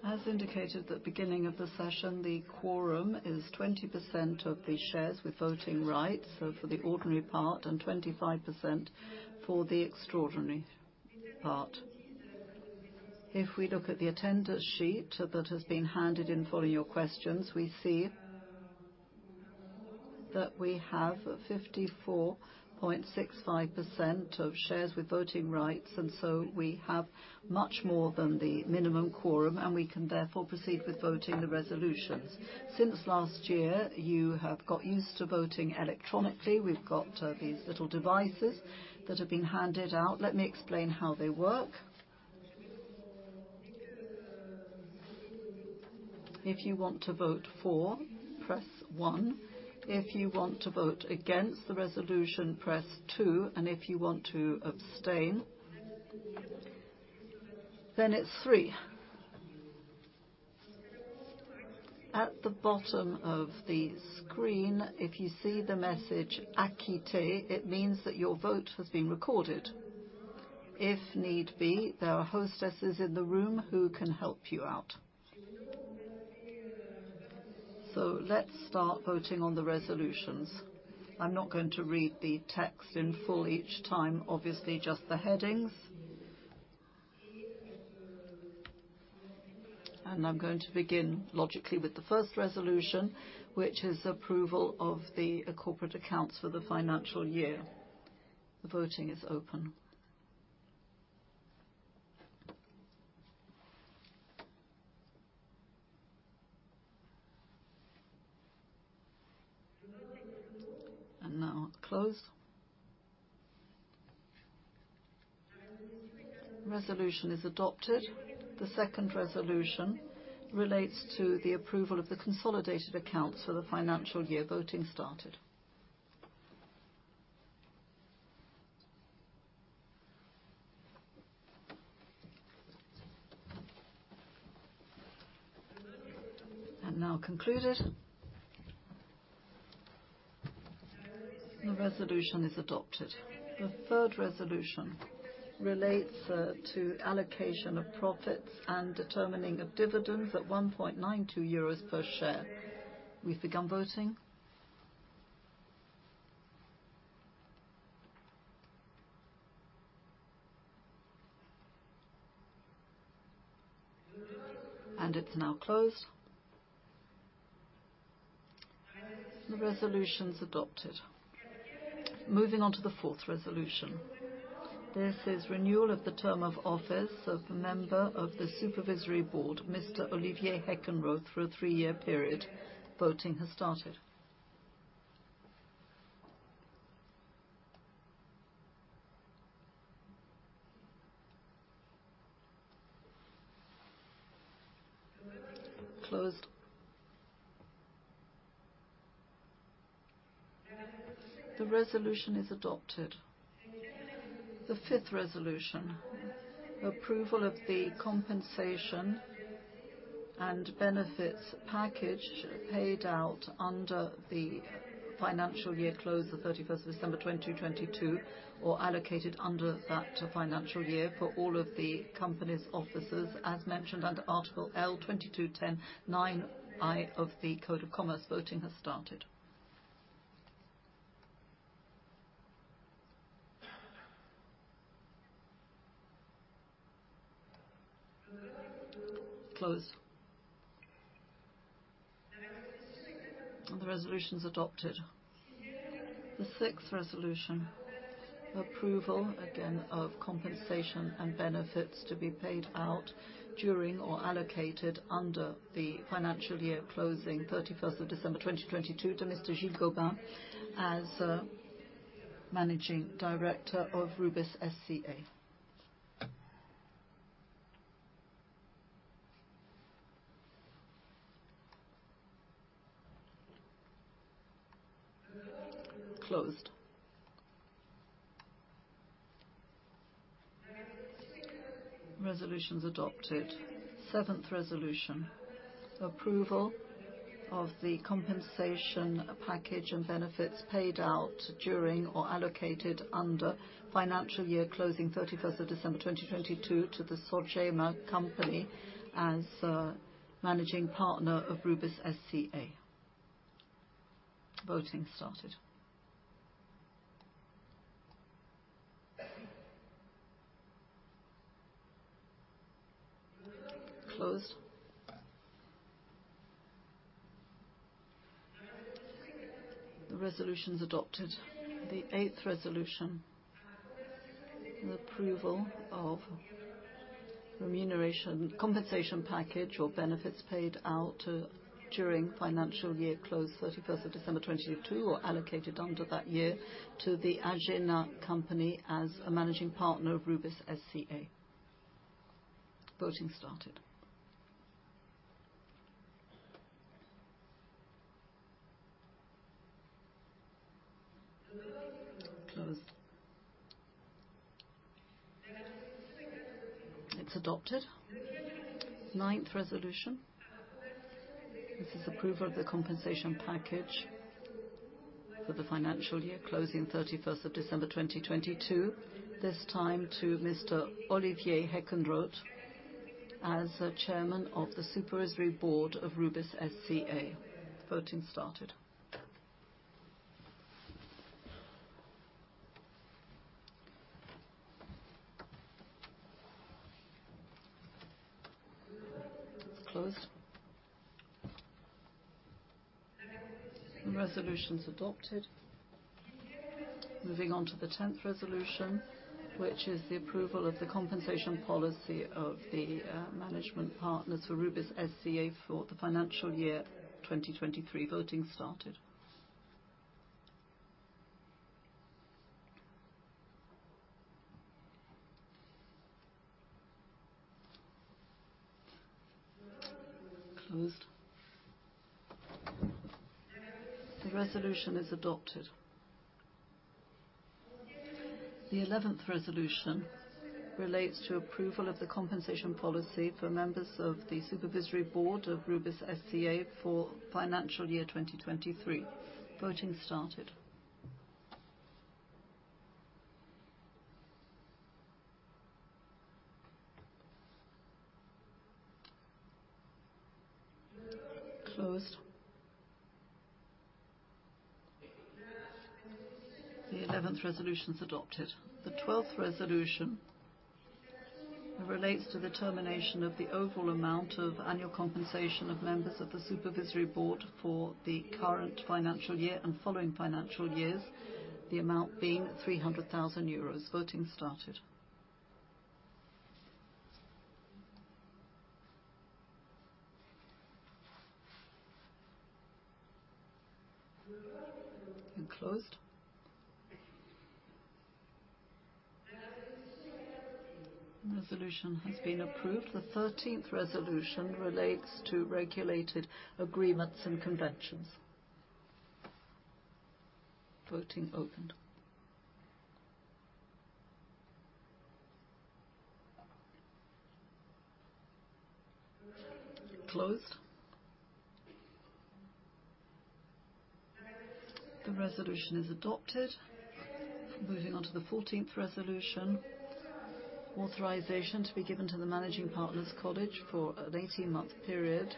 As indicated at the beginning of the session, the quorum is 20% of the shares with voting rights, so for the ordinary part, and 25% for the extraordinary part. If we look at the attendance sheet that has been handed in following your questions, we see that we have 54.65% of shares with voting rights, and so we have much more than the minimum quorum, and we can therefore proceed with voting the resolutions. Since last year, you have got used to voting electronically. We've got these little devices that have been handed out. Let me explain how they work. If you want to vote for, press 1. If you want to vote against the resolution, press 2. If you want to abstain, then it's 3. At the bottom of the screen, if you see the message, acquitté, it means that your vote has been recorded. If need be, there are hostesses in the room who can help you out. Let's start voting on the resolutions. I'm not going to read the text in full each time, obviously, just the headings. I'm going to begin, logically, with the first resolution, which is approval of the corporate accounts for the financial year. The voting is open. Now close. Resolution is adopted. The second resolution relates to the approval of the consolidated accounts for the financial year. Voting started. Now concluded. The resolution is adopted. The third resolution relates to allocation of profits and determining of dividends at 1.92 euros per share. We've begun voting. It's now closed. The resolution's adopted. Moving on to the fourth resolution. This is renewal of the term of office of the member of the Supervisory Board, Mr. Olivier Heckenroth, through a three-year period. Voting has started. Closed. The resolution is adopted. The fifth resolution, approval of the compensation and benefits package paid out under the financial year closed the 31st of December 2022, or allocated under that financial year for all of the company's officers, as mentioned under Article L22-10-9 of the French Commercial Code. Voting has started. Close. The resolution's adopted. The sixth resolution, approval, again, of compensation and benefits to be paid out during or allocated under the financial year closing 31st of December 2022, to Mr. Gilles Gobin as Managing Director of Rubis SCA. Closed. Resolution's adopted. Seventh resolution: approval of the compensation package and benefits paid out during or allocated under financial year closing 31st of December 2022, to the Sorgema company as managing partner of Rubis SCA. Voting started. Closed. The resolution's adopted. The Eighth resolution: the approval of remuneration, compensation package or benefits paid out during financial year closed 31st of December 2022, or allocated under that year to the Agena company as a managing partner of Rubis SCA. Voting started. Closed. It's adopted. Ninth resolution. This is approval of the compensation package for the financial year closing 31st of December 2022. This time to Mr. Olivier Heckenroth as the Chairman of the Supervisory Board of Rubis SCA. Voting started. Closed. The resolution's adopted. Moving on to the 10th resolution, which is the approval of the compensation policy of the management partners for Rubis SCA for the financial year 2023. Voting started. Closed. The resolution is adopted. The 11th resolution relates to approval of the compensation policy for members of the Supervisory Board of Rubis SCA for financial year 2023. Voting started. Closed. The 11th resolution's adopted. The 12th resolution relates to the termination of the overall amount of annual compensation of members of the Supervisory Board for the current financial year and following financial years, the amount being 300,000 euros. Voting started. Closed. The resolution has been approved. The 13th resolution relates to regulated agreements and conventions. Voting opened. Closed. The resolution is adopted. Moving on to the 14th resolution, authorization to be given to the Managing Partners College for an 18-month period,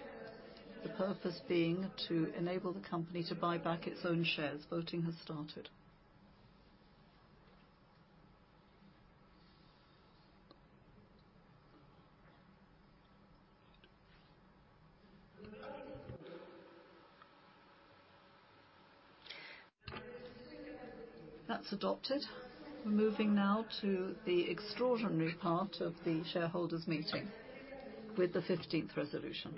the purpose being to enable the company to buy back its own shares. Voting has started. That's adopted. We're moving now to the extraordinary part of the shareholders' meeting with the 15th resolution.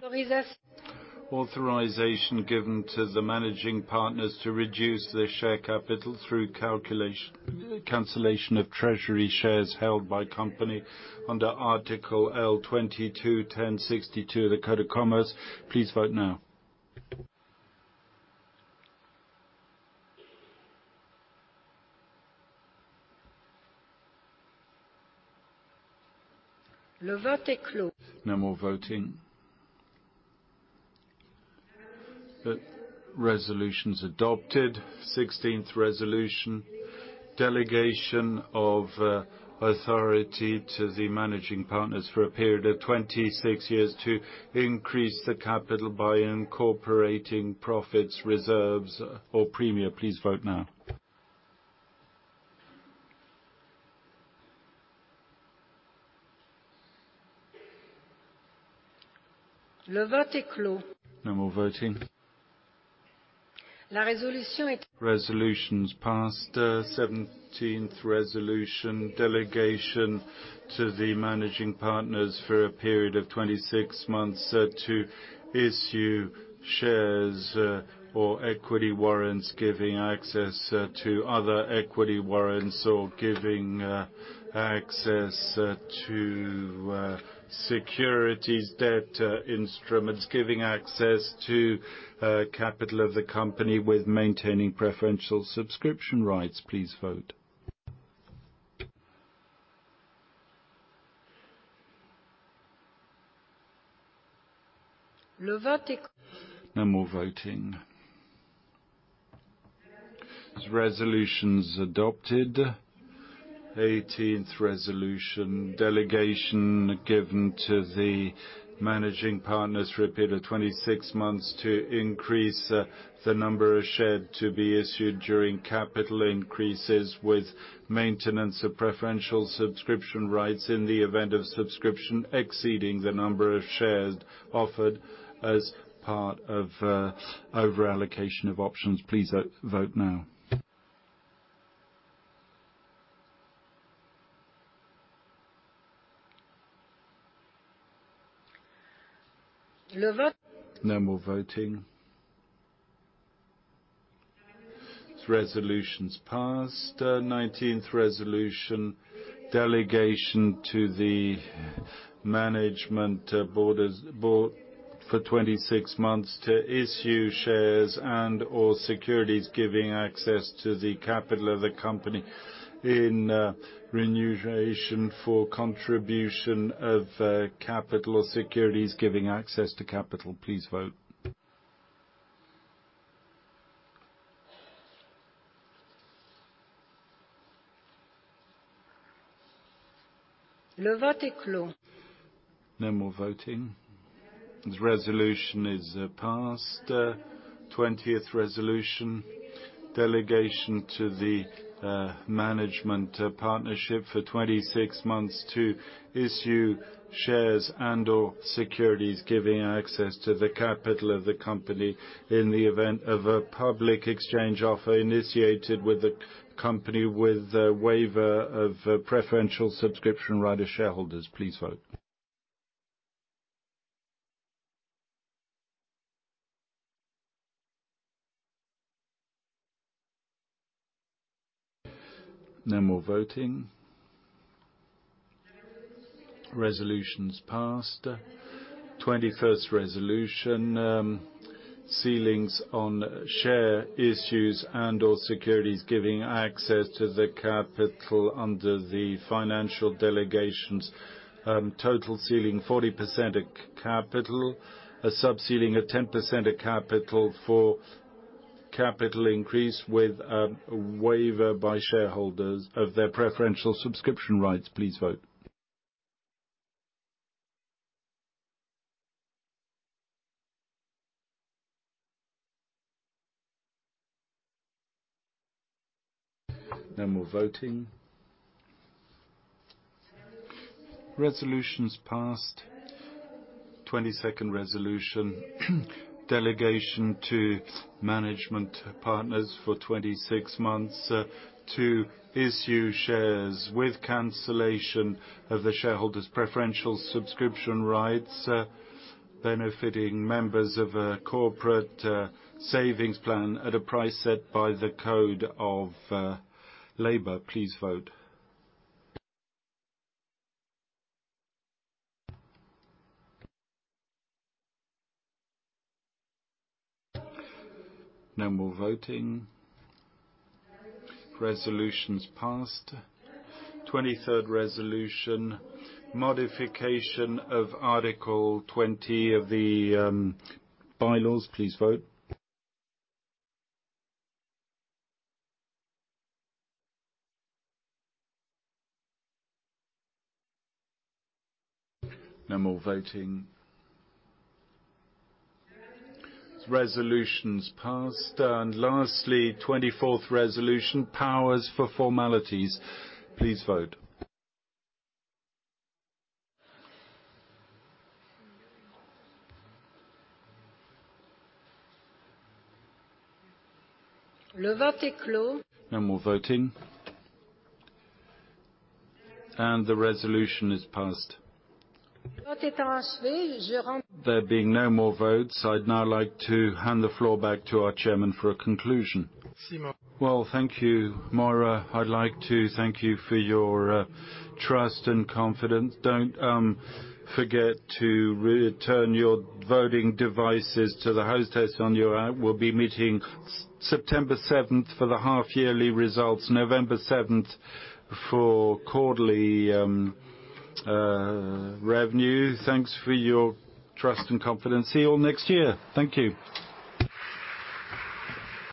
Authorization given to the managing partners to reduce their share capital through cancellation of treasury shares held by company under Article L22-10-62 of the French Commercial Code. Please vote now. Le vote est clos. No more voting. The resolution's adopted. 16th resolution, delegation of authority to the managing partners for a period of 26 years to increase the capital by incorporating profits, reserves, or premium. Please vote now. Le vote est clos. No more voting. La resolution. Resolution's passed. 17th resolution, delegation to the managing partners for a period of 26 months, to issue shares, or equity warrants, giving access, to other equity warrants or giving, access, to, securities debt, instruments, giving access to, capital of the company with maintaining preferential subscription rights. Please vote. Le vote. No more voting. This resolution's adopted. 18th resolution, delegation given to the managing partners for a period of 26 months to increase the number of shares to be issued during capital increases with maintenance of preferential subscription rights in the event of subscription exceeding the number of shares offered as part of overallocation of options. Please vote now. Le vote- No more voting. This resolution's passed. 19th resolution, delegation to the management board for 26 months to issue shares and/or securities, giving access to the capital of the company in remuneration for contribution of capital or securities giving access to capital. Please vote. Le vote est clos. No more voting. This resolution is passed. 20th resolution, delegation to the management partnership for 26 months to issue shares and/or securities, giving access to the capital of the company in the event of a public exchange offer initiated with the company, with a waiver of preferential subscription right of shareholders. Please vote. No more voting. Resolution's passed. 21st resolution, ceilings on share issues and/or securities, giving access to the capital under the financial delegations. Total ceiling, 40% of capital. A sub-ceiling of 10% of capital for capital increase with a waiver by shareholders of their preferential subscription rights. Please vote. No more voting. Resolution's passed. 22nd resolution, delegation to management partners for 26 months, to issue shares with cancellation of the shareholders' preferential subscription rights, benefiting members of a corporate savings plan at a price set by the code of labor. Please vote. No more voting. Resolution's passed. 23rd resolution, modification of Article 20 of the bylaws. Please vote. No more voting. Resolution's passed. Lastly, 24th resolution, powers for formalities. Please vote. Le vote est clos. No more voting. The resolution is passed. Le vote est achevé. There being no more votes, I'd now like to hand the floor back to our Chairman for a conclusion. Well, thank you, Maura. I'd like to thank you for your trust and confidence. Don't forget to return your voting devices to the hostess on your out. We'll be meeting September 7th for the half yearly results, November 7th for quarterly revenue. Thanks for your trust and confidence. See you all next year. Thank you.